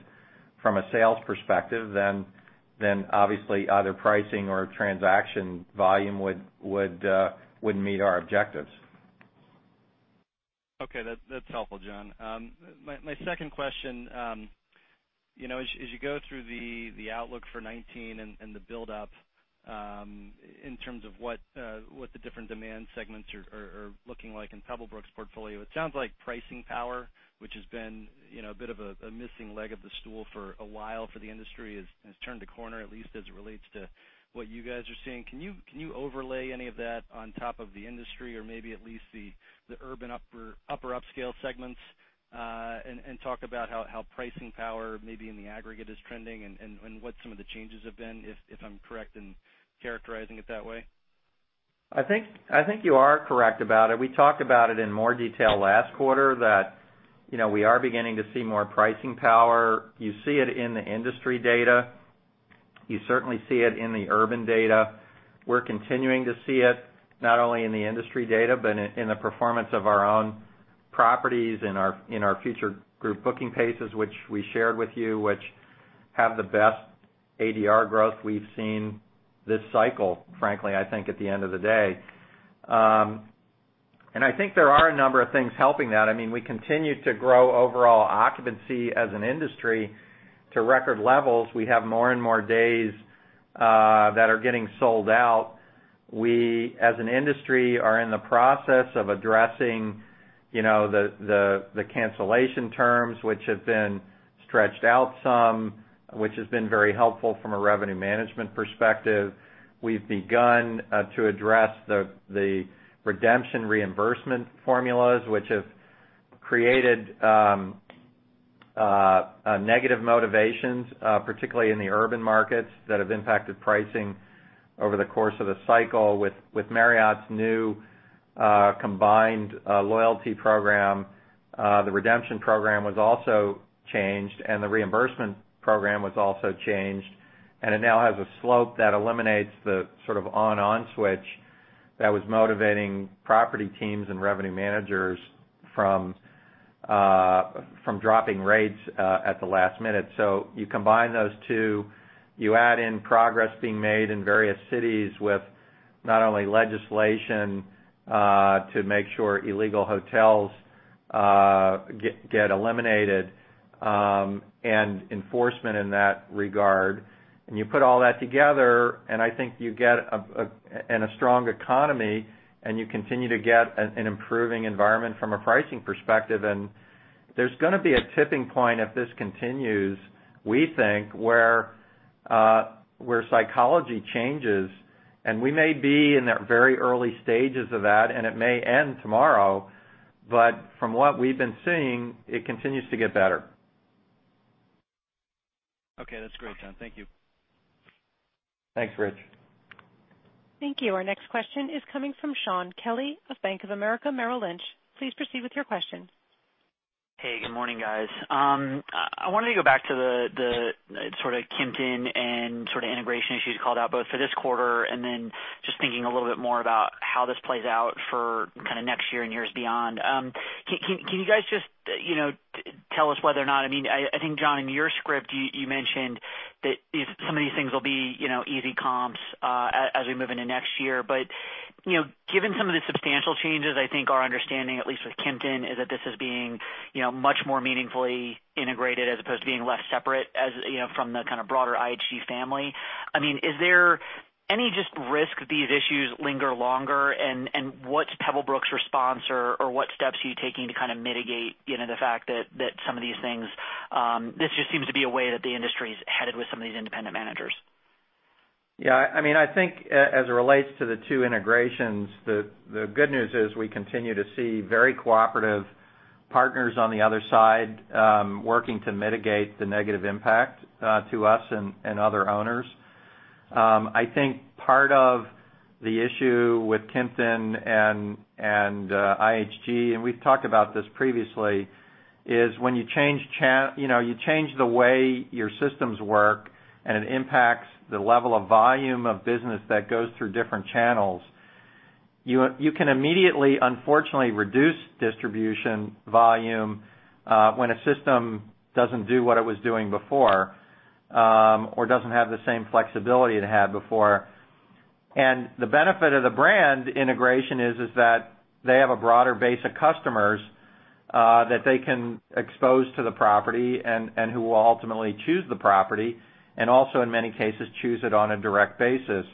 from a sales perspective, then obviously, either pricing or transaction volume wouldn't meet our objectives. Okay. That's helpful, Jon. My second question, as you go through the outlook for 2019 and the buildup in terms of what the different demand segments are looking like in Pebblebrook's portfolio, it sounds like pricing power, which has been a bit of a missing leg of the stool for a while for the industry, has turned a corner, at least as it relates to what you guys are seeing. Can you overlay any of that on top of the industry or maybe at least the urban upper upscale segments? and talk about how pricing power maybe in the aggregate is trending and what some of the changes have been, if I'm correct in characterizing it that way. I think you are correct about it. We talked about it in more detail last quarter that, we are beginning to see more pricing power. You see it in the industry data. You certainly see it in the urban data. We're continuing to see it, not only in the industry data, but in the performance of our own properties, in our future group booking paces, which we shared with you, which have the best ADR growth we've seen this cycle, frankly, I think, at the end of the day. I think there are a number of things helping that. We continue to grow overall occupancy as an industry to record levels. We have more and more days that are getting sold out. We, as an industry, are in the process of addressing the cancellation terms, which have been stretched out some, which has been very helpful from a revenue management perspective. We've begun to address the redemption reimbursement formulas, which have created negative motivations, particularly in the urban markets, that have impacted pricing over the course of the cycle with Marriott's new combined loyalty program. The redemption program was also changed, and the reimbursement program was also changed, and it now has a slope that eliminates the on/off switch that was motivating property teams and revenue managers from dropping rates at the last minute. You combine those two, you add in progress being made in various cities with not only legislation to make sure illegal hotels get eliminated and enforcement in that regard. You put all that together, I think you get a strong economy, and you continue to get an improving environment from a pricing perspective and there's going to be a tipping point if this continues, we think, where psychology changes, and we may be in that very early stages of that, and it may end tomorrow, but from what we've been seeing, it continues to get better. Okay, that's great, Jon. Thank you. Thanks, Rich. Thank you. Our next question is coming from Shaun Kelley of Bank of America Merrill Lynch. Please proceed with your question. Hey, good morning, guys. I wanted to go back to the Kimpton and integration issues called out both for this quarter and then just thinking a little bit more about how this plays out for next year and years beyond. Can you guys just tell us. I think, Jon, in your script, you mentioned that if some of these things will be easy comps as we move into next year. Given some of the substantial changes, I think our understanding, at least with Kimpton, is that this is being much more meaningfully integrated as opposed to being less separate from the broader IHG family. Is there any just risk these issues linger longer and what's Pebblebrook's response or what steps are you taking to mitigate the fact that? This just seems to be a way that the industry's headed with some of these independent managers. Yeah. I think as it relates to the two integrations, the good news is we continue to see very cooperative partners on the other side working to mitigate the negative impact to us and other owners. I think part of the issue with Kimpton and IHG, and we've talked about this previously, is when you change the way your systems work and it impacts the level of volume of business that goes through different channels, you can immediately, unfortunately, reduce distribution volume when a system doesn't do what it was doing before or doesn't have the same flexibility it had before. The benefit of the brand integration is that they have a broader base of customers that they can expose to the property and who will ultimately choose the property, and also in many cases, choose it on a direct basis.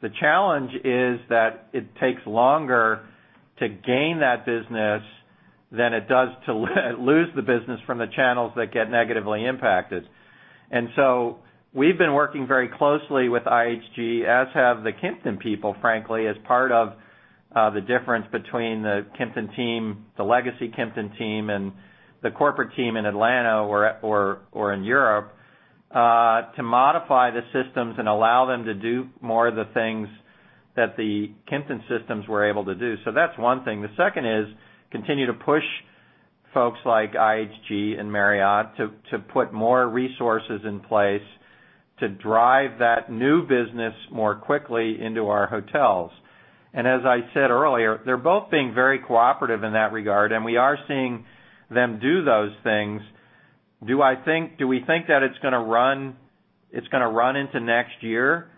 The challenge is that it takes longer to gain that business than it does to lose the business from the channels that get negatively impacted. We've been working very closely with IHG, as have the Kimpton people, frankly, as part of the difference between the Kimpton team, the legacy Kimpton team, and the corporate team in Atlanta or in Europe, to modify the systems and allow them to do more of the things that the Kimpton systems were able to do. That's one thing. The second is continue to push folks like IHG and Marriott to put more resources in place to drive that new business more quickly into our hotels. As I said earlier, they're both being very cooperative in that regard, and we are seeing them do those things. Do we think that it's gonna run into next year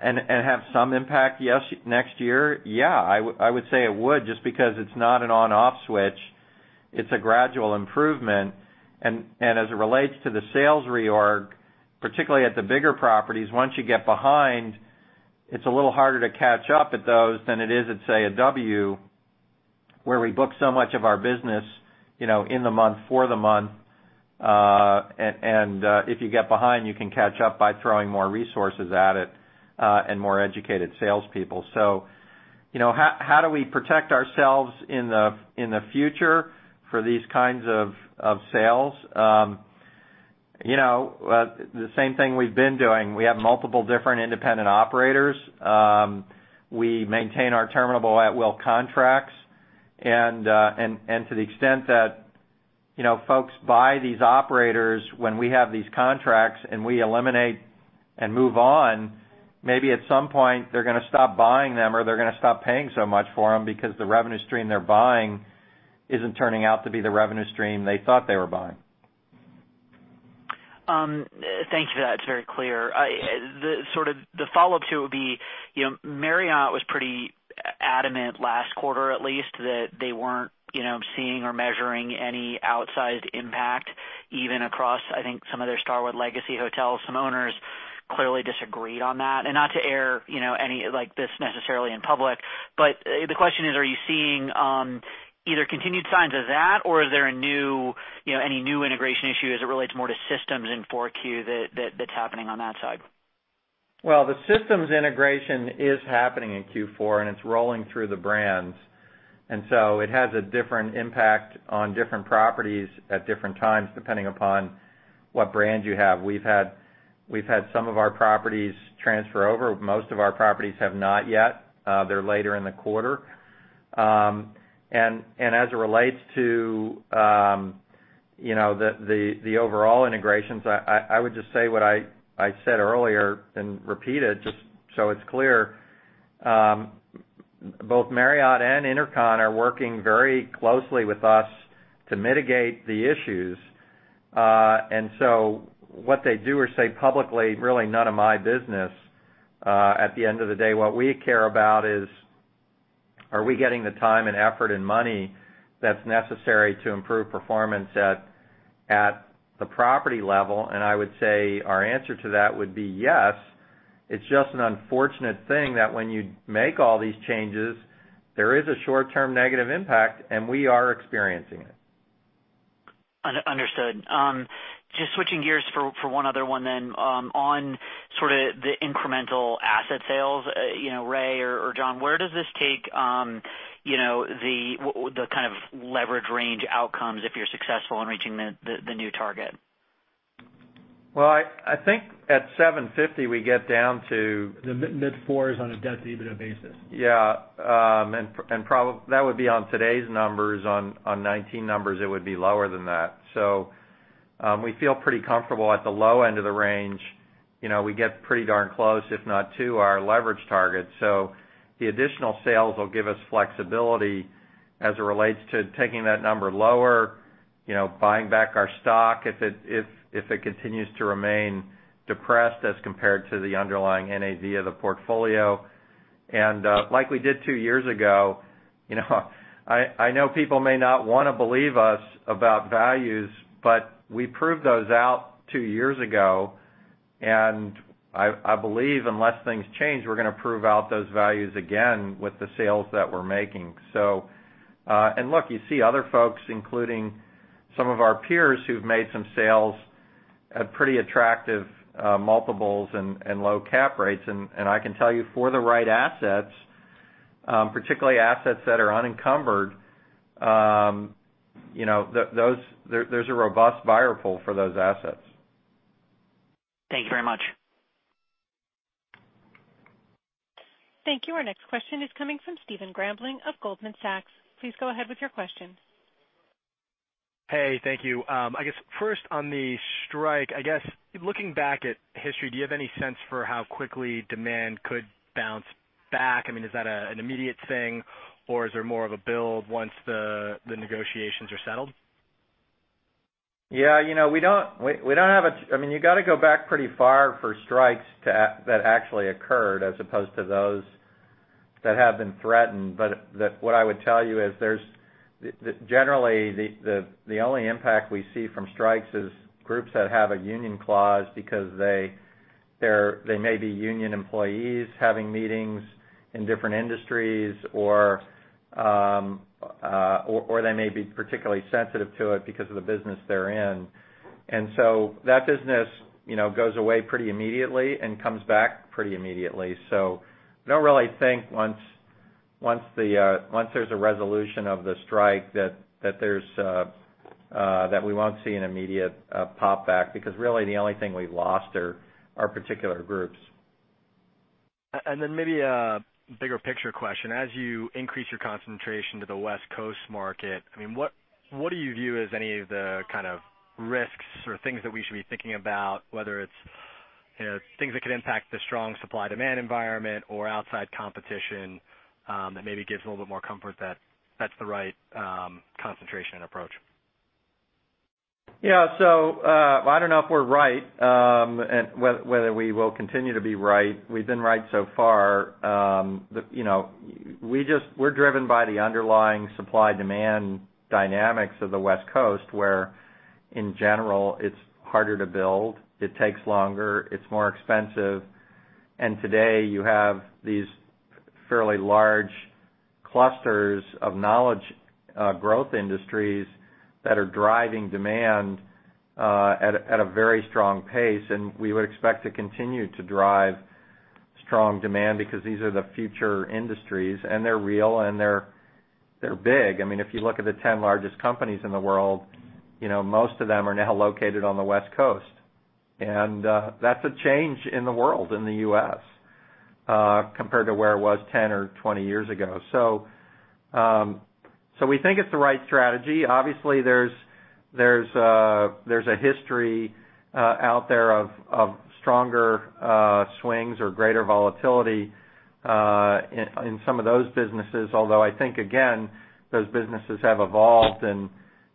and have some impact next year? Yeah, I would say it would just because it's not an on/off switch. It's a gradual improvement. As it relates to the sales reorg, particularly at the bigger properties, once you get behind, it's a little harder to catch up at those than it is at, say, a W, where we book so much of our business in the month for the month. If you get behind, you can catch up by throwing more resources at it and more educated salespeople. How do we protect ourselves in the future for these kinds of sales? The same thing we've been doing. We have multiple different independent operators. We maintain our terminable at-will contracts, to the extent that folks buy these operators when we have these contracts and we eliminate and move on, maybe at some point they're going to stop buying them or they're going to stop paying so much for them because the revenue stream they're buying isn't turning out to be the revenue stream they thought they were buying. Thank you. That's very clear. The follow-up to it would be, Marriott was pretty adamant last quarter at least that they weren't seeing or measuring any outsized impact even across, I think, some of their Starwood Legacy hotels. Some owners clearly disagreed on that. Not to air any like this necessarily in public, but the question is, are you seeing either continued signs of that or is there any new integration issue as it relates more to systems in 4Q that's happening on that side? The systems integration is happening in Q4, and it's rolling through the brands. It has a different impact on different properties at different times, depending upon what brand you have. We've had some of our properties transfer over. Most of our properties have not yet. They're later in the quarter. As it relates to the overall integrations, I would just say what I said earlier and repeat it just so it's clear. Both Marriott and InterCon are working very closely with us to mitigate the issues. What they do or say publicly, really none of my business. At the end of the day, what we care about is, are we getting the time and effort and money that's necessary to improve performance at the property level? I would say our answer to that would be yes. It's just an unfortunate thing that when you make all these changes, there is a short-term negative impact, and we are experiencing it. Understood. Just switching gears for one other one then. On sort of the incremental asset sales, Ray or John, where does this take the kind of leverage range outcomes if you're successful in reaching the new target? I think at 750, we get down to- The mid-fours on a debt to EBITDA basis. Yeah. That would be on today's numbers. On 2019 numbers, it would be lower than that. We feel pretty comfortable at the low end of the range. We get pretty darn close, if not to our leverage target. The additional sales will give us flexibility as it relates to taking that number lower, buying back our stock if it continues to remain depressed as compared to the underlying NAV of the portfolio. Like we did two years ago, I know people may not want to believe us about values, but we proved those out two years ago, I believe unless things change, we're going to prove out those values again with the sales that we're making. Look, you see other folks, including some of our peers who've made some sales at pretty attractive multiples and low cap rates. I can tell you for the right assets, particularly assets that are unencumbered, there's a robust buyer pool for those assets. Thank you very much. Thank you. Our next question is coming from Stephen Grambling of Goldman Sachs. Please go ahead with your question. Hey, thank you. I guess first on the strike, I guess, looking back at history, do you have any sense for how quickly demand could bounce back? I mean, is that an immediate thing or is there more of a build once the negotiations are settled? Yeah. I mean, you got to go back pretty far for strikes that actually occurred as opposed to those that have been threatened. What I would tell you is generally, the only impact we see from strikes is groups that have a union clause because they may be union employees having meetings in different industries or they may be particularly sensitive to it because of the business they're in. That business goes away pretty immediately and comes back pretty immediately. I don't really think once there's a resolution of the strike, that we won't see an immediate pop back, because really the only thing we've lost are particular groups. Then maybe a bigger picture question. As you increase your concentration to the West Coast market, I mean, what do you view as any of the kind of risks or things that we should be thinking about, whether it's things that could impact the strong supply-demand environment or outside competition that maybe gives a little bit more comfort that that's the right concentration approach? I don't know if we're right, and whether we will continue to be right. We've been right so far. We're driven by the underlying supply-demand dynamics of the West Coast, where in general, it's harder to build, it takes longer, it's more expensive, and today you have these fairly large clusters of knowledge growth industries that are driving demand at a very strong pace, and we would expect to continue to drive strong demand because these are the future industries, and they're real and they're big. If you look at the 10 largest companies in the world, most of them are now located on the West Coast. That's a change in the world, in the U.S., compared to where it was 10 or 20 years ago. We think it's the right strategy. Obviously, there's a history out there of stronger swings or greater volatility in some of those businesses, although I think, again, those businesses have evolved and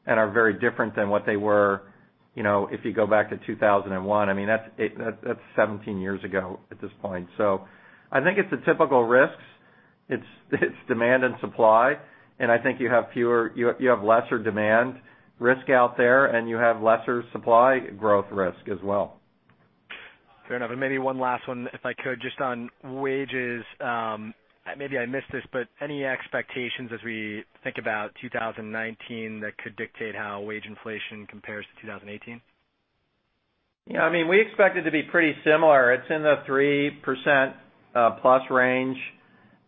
are very different than what they were if you go back to 2001. That's 17 years ago at this point. I think it's the typical risks. It's demand and supply, and I think you have lesser demand risk out there, and you have lesser supply growth risk as well. Fair enough. Maybe one last one, if I could, just on wages. Maybe I missed this, but any expectations as we think about 2019 that could dictate how wage inflation compares to 2018? Yeah, we expect it to be pretty similar. It's in the 3% plus range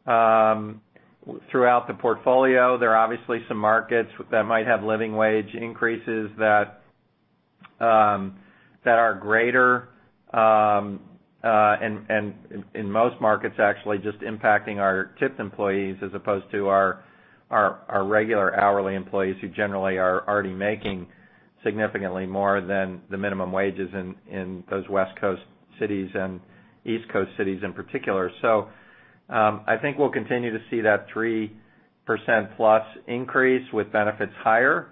throughout the portfolio. There are obviously some markets that might have living wage increases that are greater, and in most markets, actually, just impacting our tipped employees as opposed to our regular hourly employees who generally are already making significantly more than the minimum wages in those West Coast cities and East Coast cities in particular. I think we'll continue to see that 3% plus increase with benefits higher.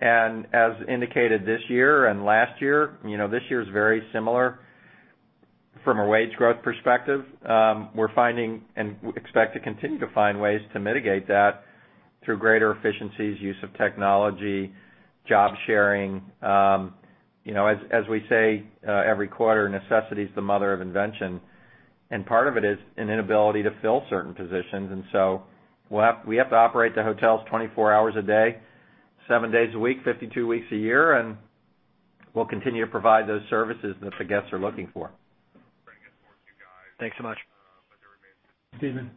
As indicated this year and last year, this year is very similar from a wage growth perspective. We're finding and expect to continue to find ways to mitigate that through greater efficiencies, use of technology, job sharing. As we say every quarter, necessity is the mother of invention, and part of it is an inability to fill certain positions. We have to operate the hotels 24 hours a day, seven days a week, 52 weeks a year, and we'll continue to provide those services that the guests are looking for. Thanks so much. Stephen.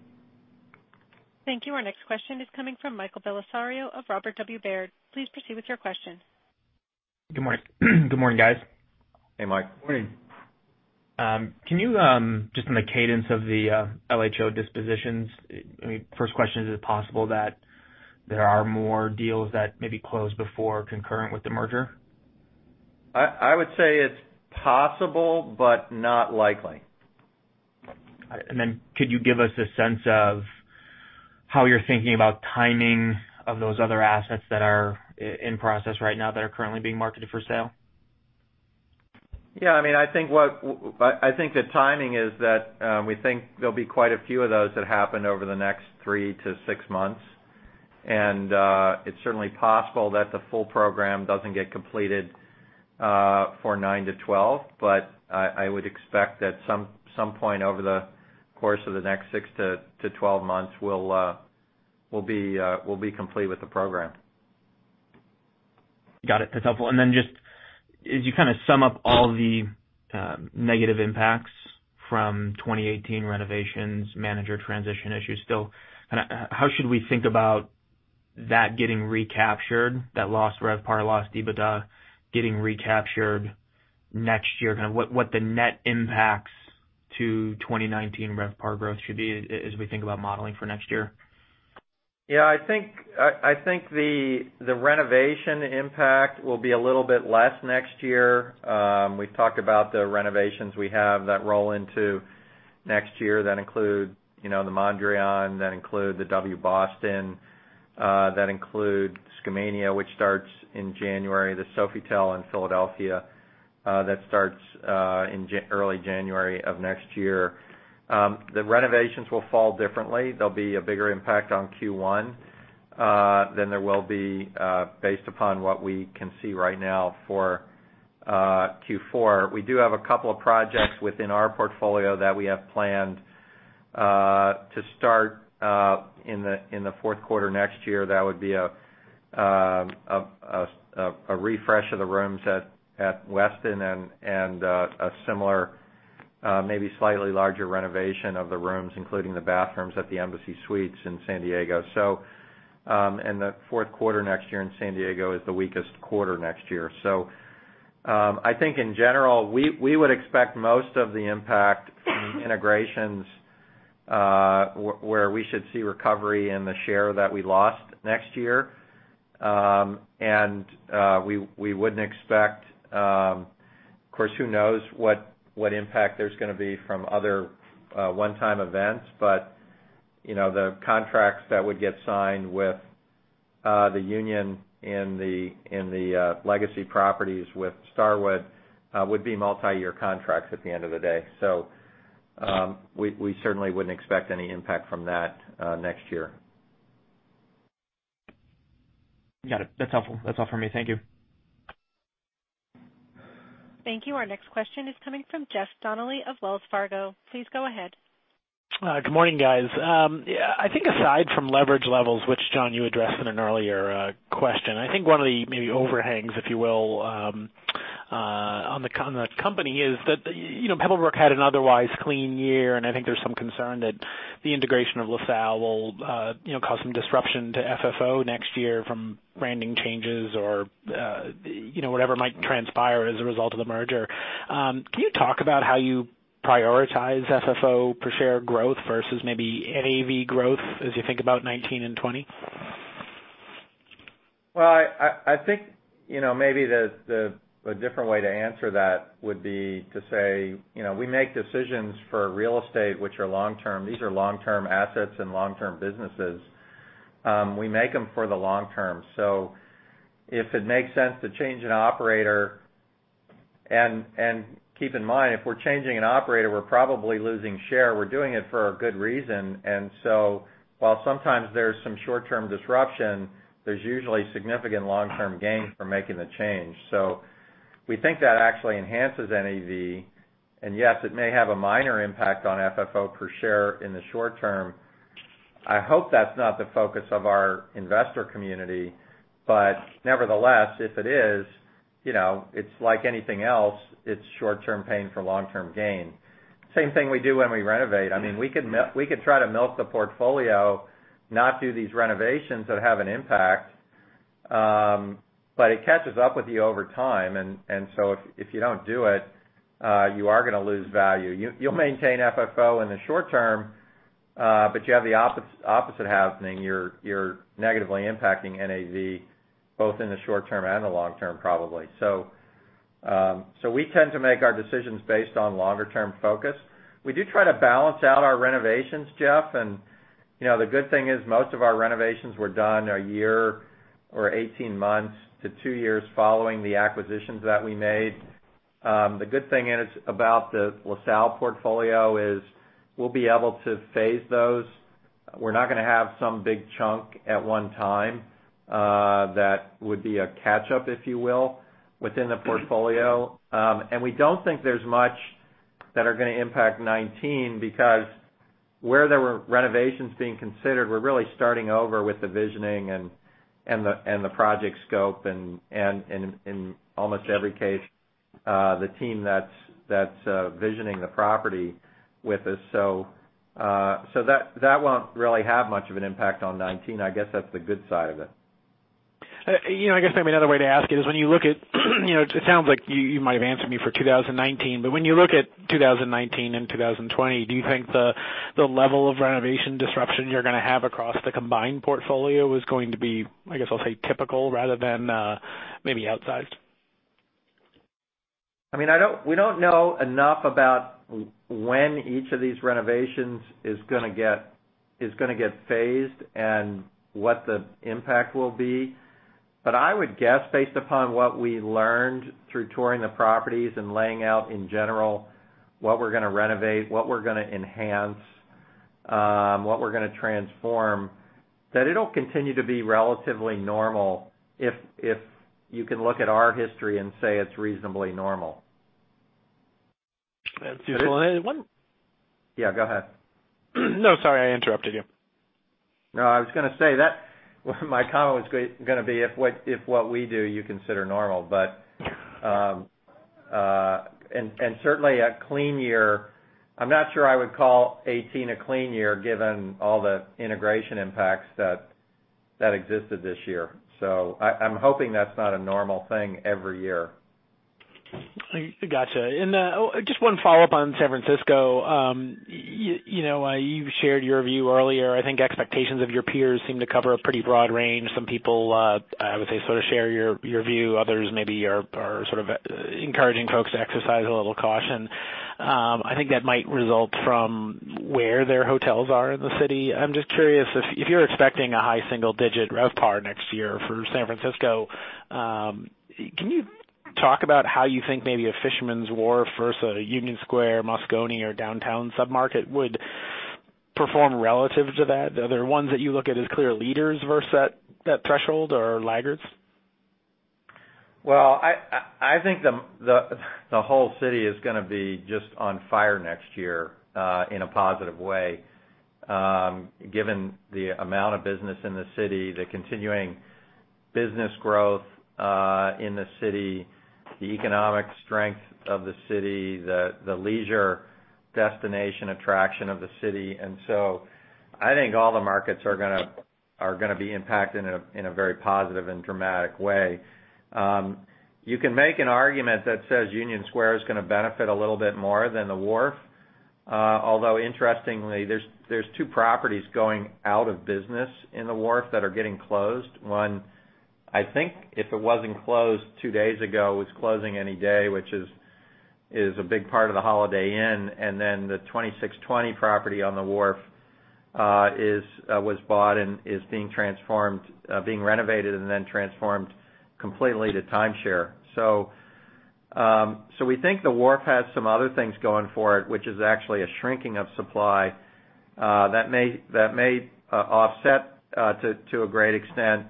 Thank you. Our next question is coming from Michael Bellisario of Robert W. Baird. Please proceed with your question. Good morning, guys. Hey, Mike. Morning. Can you, just on the cadence of the LHO dispositions, first question, is it possible that there are more deals that maybe close before concurrent with the merger? I would say it's possible, but not likely. Could you give us a sense of how you're thinking about timing of those other assets that are in process right now that are currently being marketed for sale? Yeah, I think the timing is that we think there'll be quite a few of those that happen over the next 3 to 6 months, and it's certainly possible that the full program doesn't get completed for 9 to 12. I would expect at some point over the course of the next 6 to 12 months, we'll be complete with the program. Got it. That's helpful. Then just as you sum up all the negative impacts from 2018 renovations, manager transition issues still, how should we think about that getting recaptured, that lost RevPAR, lost EBITDA, getting recaptured next year? What the net impacts to 2019 RevPAR growth should be as we think about modeling for next year? Yeah, I think the renovation impact will be a little bit less next year. We've talked about the renovations we have that roll into next year. That include the Mondrian, that include the W Boston, that include Skamania, which starts in January, the Sofitel in Philadelphia, that starts in early January of next year. The renovations will fall differently. There'll be a bigger impact on Q1 than there will be based upon what we can see right now for Q4. We do have a couple of projects within our portfolio that we have planned to start in the fourth quarter next year. That would be a refresh of the rooms at Westin and a similar, maybe slightly larger renovation of the rooms, including the bathrooms at the Embassy Suites in San Diego. The fourth quarter next year in San Diego is the weakest quarter next year. I think in general, we would expect most of the impact from the integrations where we should see recovery in the share that we lost next year. We wouldn't expect, of course, who knows what impact there's going to be from other one-time events. The contracts that would get signed with the union in the legacy properties with Starwood would be multi-year contracts at the end of the day. We certainly wouldn't expect any impact from that next year. Got it. That's helpful. That's all for me. Thank you. Thank you. Our next question is coming from Jeff Donnelly of Wells Fargo. Please go ahead. Good morning, guys. I think aside from leverage levels, which, John, you addressed in an earlier question, I think one of the maybe overhangs, if you will, on the company is that Pebblebrook had an otherwise clean year. I think there's some concern that the integration of LaSalle will cause some disruption to FFO next year from branding changes or whatever might transpire as a result of the merger. Can you talk about how you prioritize FFO per share growth versus maybe NAV growth as you think about 2019 and 2020? Well, I think, maybe the different way to answer that would be to say, we make decisions for real estate, which are long term. These are long-term assets and long-term businesses. We make them for the long term. If it makes sense to change an operator, keep in mind, if we're changing an operator, we're probably losing share, we're doing it for a good reason. While sometimes there's some short-term disruption, there's usually significant long-term gain from making the change. We think that actually enhances NAV. Yes, it may have a minor impact on FFO per share in the short term. I hope that's not the focus of our investor community, nevertheless, if it is, it's like anything else, it's short-term pain for long-term gain. Same thing we do when we renovate. We could try to milk the portfolio, not do these renovations that have an impact, it catches up with you over time. If you don't do it, you are going to lose value. You'll maintain FFO in the short term, you have the opposite happening. You're negatively impacting NAV, both in the short term and the long term, probably. We tend to make our decisions based on longer term focus. We do try to balance out our renovations, Jeff, the good thing is most of our renovations were done a year or 18 months to 2 years following the acquisitions that we made. The good thing is about the LaSalle portfolio is we'll be able to phase those. We're not going to have some big chunk at one time, that would be a catch-up, if you will, within the portfolio. We don't think there's much that are going to impact 2019, because where there were renovations being considered, we're really starting over with the visioning and the project scope, and in almost every case, the team that's visioning the property with us. That won't really have much of an impact on 2019. I guess that's the good side of it. I guess maybe another way to ask it is when you look at it sounds like you might have answered me for 2019, when you look at 2019 and 2020, do you think the level of renovation disruption you're going to have across the combined portfolio is going to be, I guess I'll say typical rather than maybe outsized? We don't know enough about when each of these renovations is going to get phased and what the impact will be. I would guess, based upon what we learned through touring the properties and laying out in general what we're going to renovate, what we're going to enhance, what we're going to transform, that it'll continue to be relatively normal if you can look at our history and say it's reasonably normal. That's useful. Yeah, go ahead. No, sorry. I interrupted you. No, I was going to say that my comment was going to be if what we do you consider normal, but, and certainly a clean year, I'm not sure I would call 2018 a clean year given all the integration impacts that existed this year. I'm hoping that's not a normal thing every year. Got you. Just one follow-up on San Francisco. You've shared your view earlier. I think expectations of your peers seem to cover a pretty broad range. Some people, I would say sort of share your view, others maybe are sort of encouraging folks to exercise a little caution. I think that might result from where their hotels are in the city. I'm just curious if you're expecting a high single-digit RevPAR next year for San Francisco, can you talk about how you think maybe a Fisherman's Wharf versus a Union Square, Moscone or downtown sub-market would perform relative to that? Are there ones that you look at as clear leaders versus that threshold or laggards? Well, I think the whole city is going to be just on fire next year, in a positive way, given the amount of business in the city, the continuing business growth, in the city, the economic strength of the city, the leisure destination attraction of the city. I think all the markets are going to be impacted in a very positive and dramatic way. You can make an argument that says Union Square is going to benefit a little bit more than the Wharf. Although interestingly, there's two properties going out of business in the Wharf that are getting closed. One, I think if it wasn't closed two days ago, was closing any day, which is a big part of the Holiday Inn. The 2620 property on the wharf was bought and is being transformed, being renovated, and then transformed completely to timeshare. We think the Wharf has some other things going for it, which is actually a shrinking of supply, that may offset, to a great extent,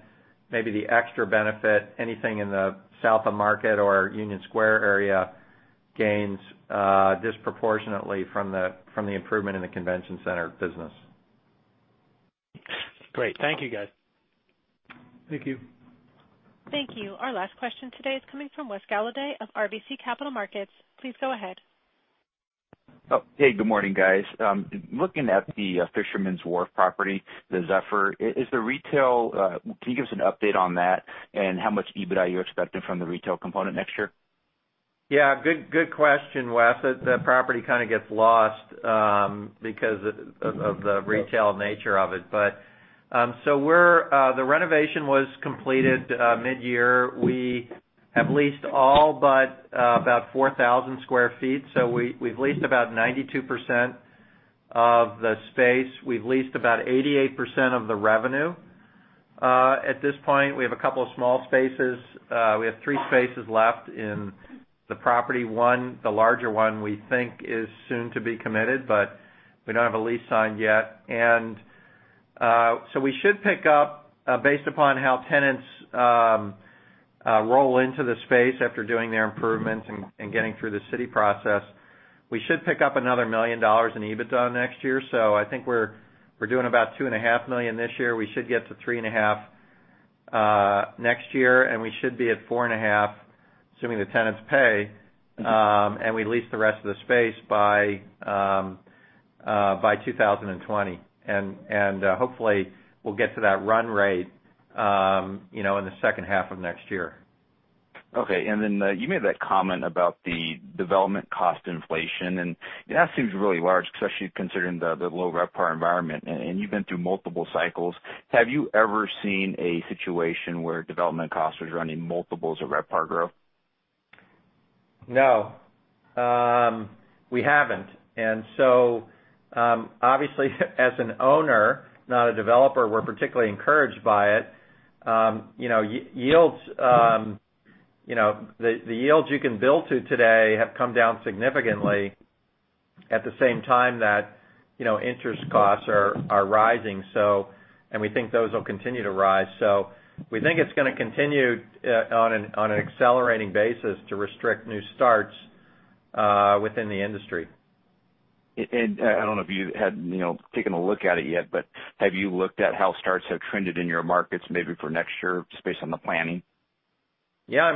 maybe the extra benefit, anything in the South of Market or Union Square area gains disproportionately from the improvement in the convention center business. Great. Thank you, guys. Thank you. Thank you. Our last question today is coming from Wes Golladay of RBC Capital Markets. Please go ahead. Hey, good morning, guys. Looking at the Fisherman's Wharf property, the Zephyr, is the retail-- Can you give us an update on that and how much EBITDA you're expecting from the retail component next year? Yeah, good question, Wes. That property kind of gets lost, because of the retail nature of it. The renovation was completed mid-year. We have leased all but about 4,000 sq ft. We've leased about 92% of the space. We've leased about 88% of the revenue. At this point, we have a couple of small spaces. We have three spaces left in the property. One, the larger one, we think is soon to be committed, but we don't have a lease signed yet. We should pick up, based upon how tenants roll into the space after doing their improvements and getting through the city process. We should pick up another $1 million in EBITDA next year. I think we're doing about $2.5 million this year. We should get to three and a half next year, and we should be at four and a half, assuming the tenants pay, and we lease the rest of the space by 2020. Hopefully we'll get to that run rate in the second half of next year. Okay, then you made that comment about the development cost inflation. That seems really large, especially considering the low RevPAR environment. You've been through multiple cycles. Have you ever seen a situation where development cost was running multiples of RevPAR growth? No. We haven't. So, obviously as an owner, not a developer, we're particularly encouraged by it. The yields you can build to today have come down significantly at the same time that interest costs are rising. We think those will continue to rise. We think it's going to continue on an accelerating basis to restrict new starts within the industry. I don't know if you had taken a look at it yet, have you looked at how starts have trended in your markets maybe for next year, just based on the planning? Yeah,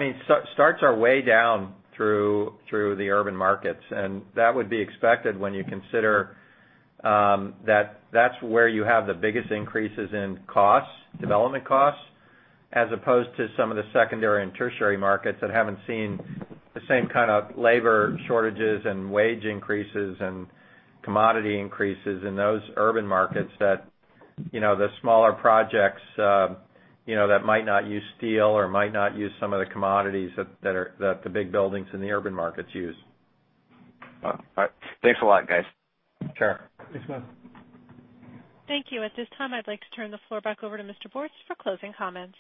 starts are way down through the urban markets, and that would be expected when you consider that that's where you have the biggest increases in costs, development costs, as opposed to some of the secondary and tertiary markets that haven't seen the same kind of labor shortages and wage increases and commodity increases in those urban markets that the smaller projects that might not use steel or might not use some of the commodities that the big buildings in the urban markets use. All right. Thanks a lot, guys. Sure. Thanks, Wes. Thank you. At this time, I'd like to turn the floor back over to Mr. Bortz for closing comments.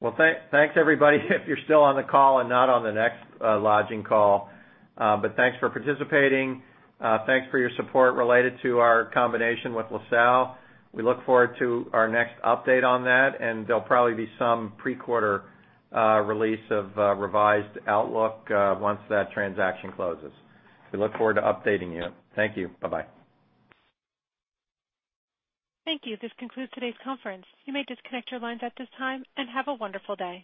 Well, thanks, everybody, if you're still on the call and not on the next lodging call. Thanks for participating. Thanks for your support related to our combination with LaSalle. We look forward to our next update on that, there'll probably be some pre-quarter release of a revised outlook once that transaction closes. We look forward to updating you. Thank you. Bye-bye. Thank you. This concludes today's conference. You may disconnect your lines at this time, have a wonderful day.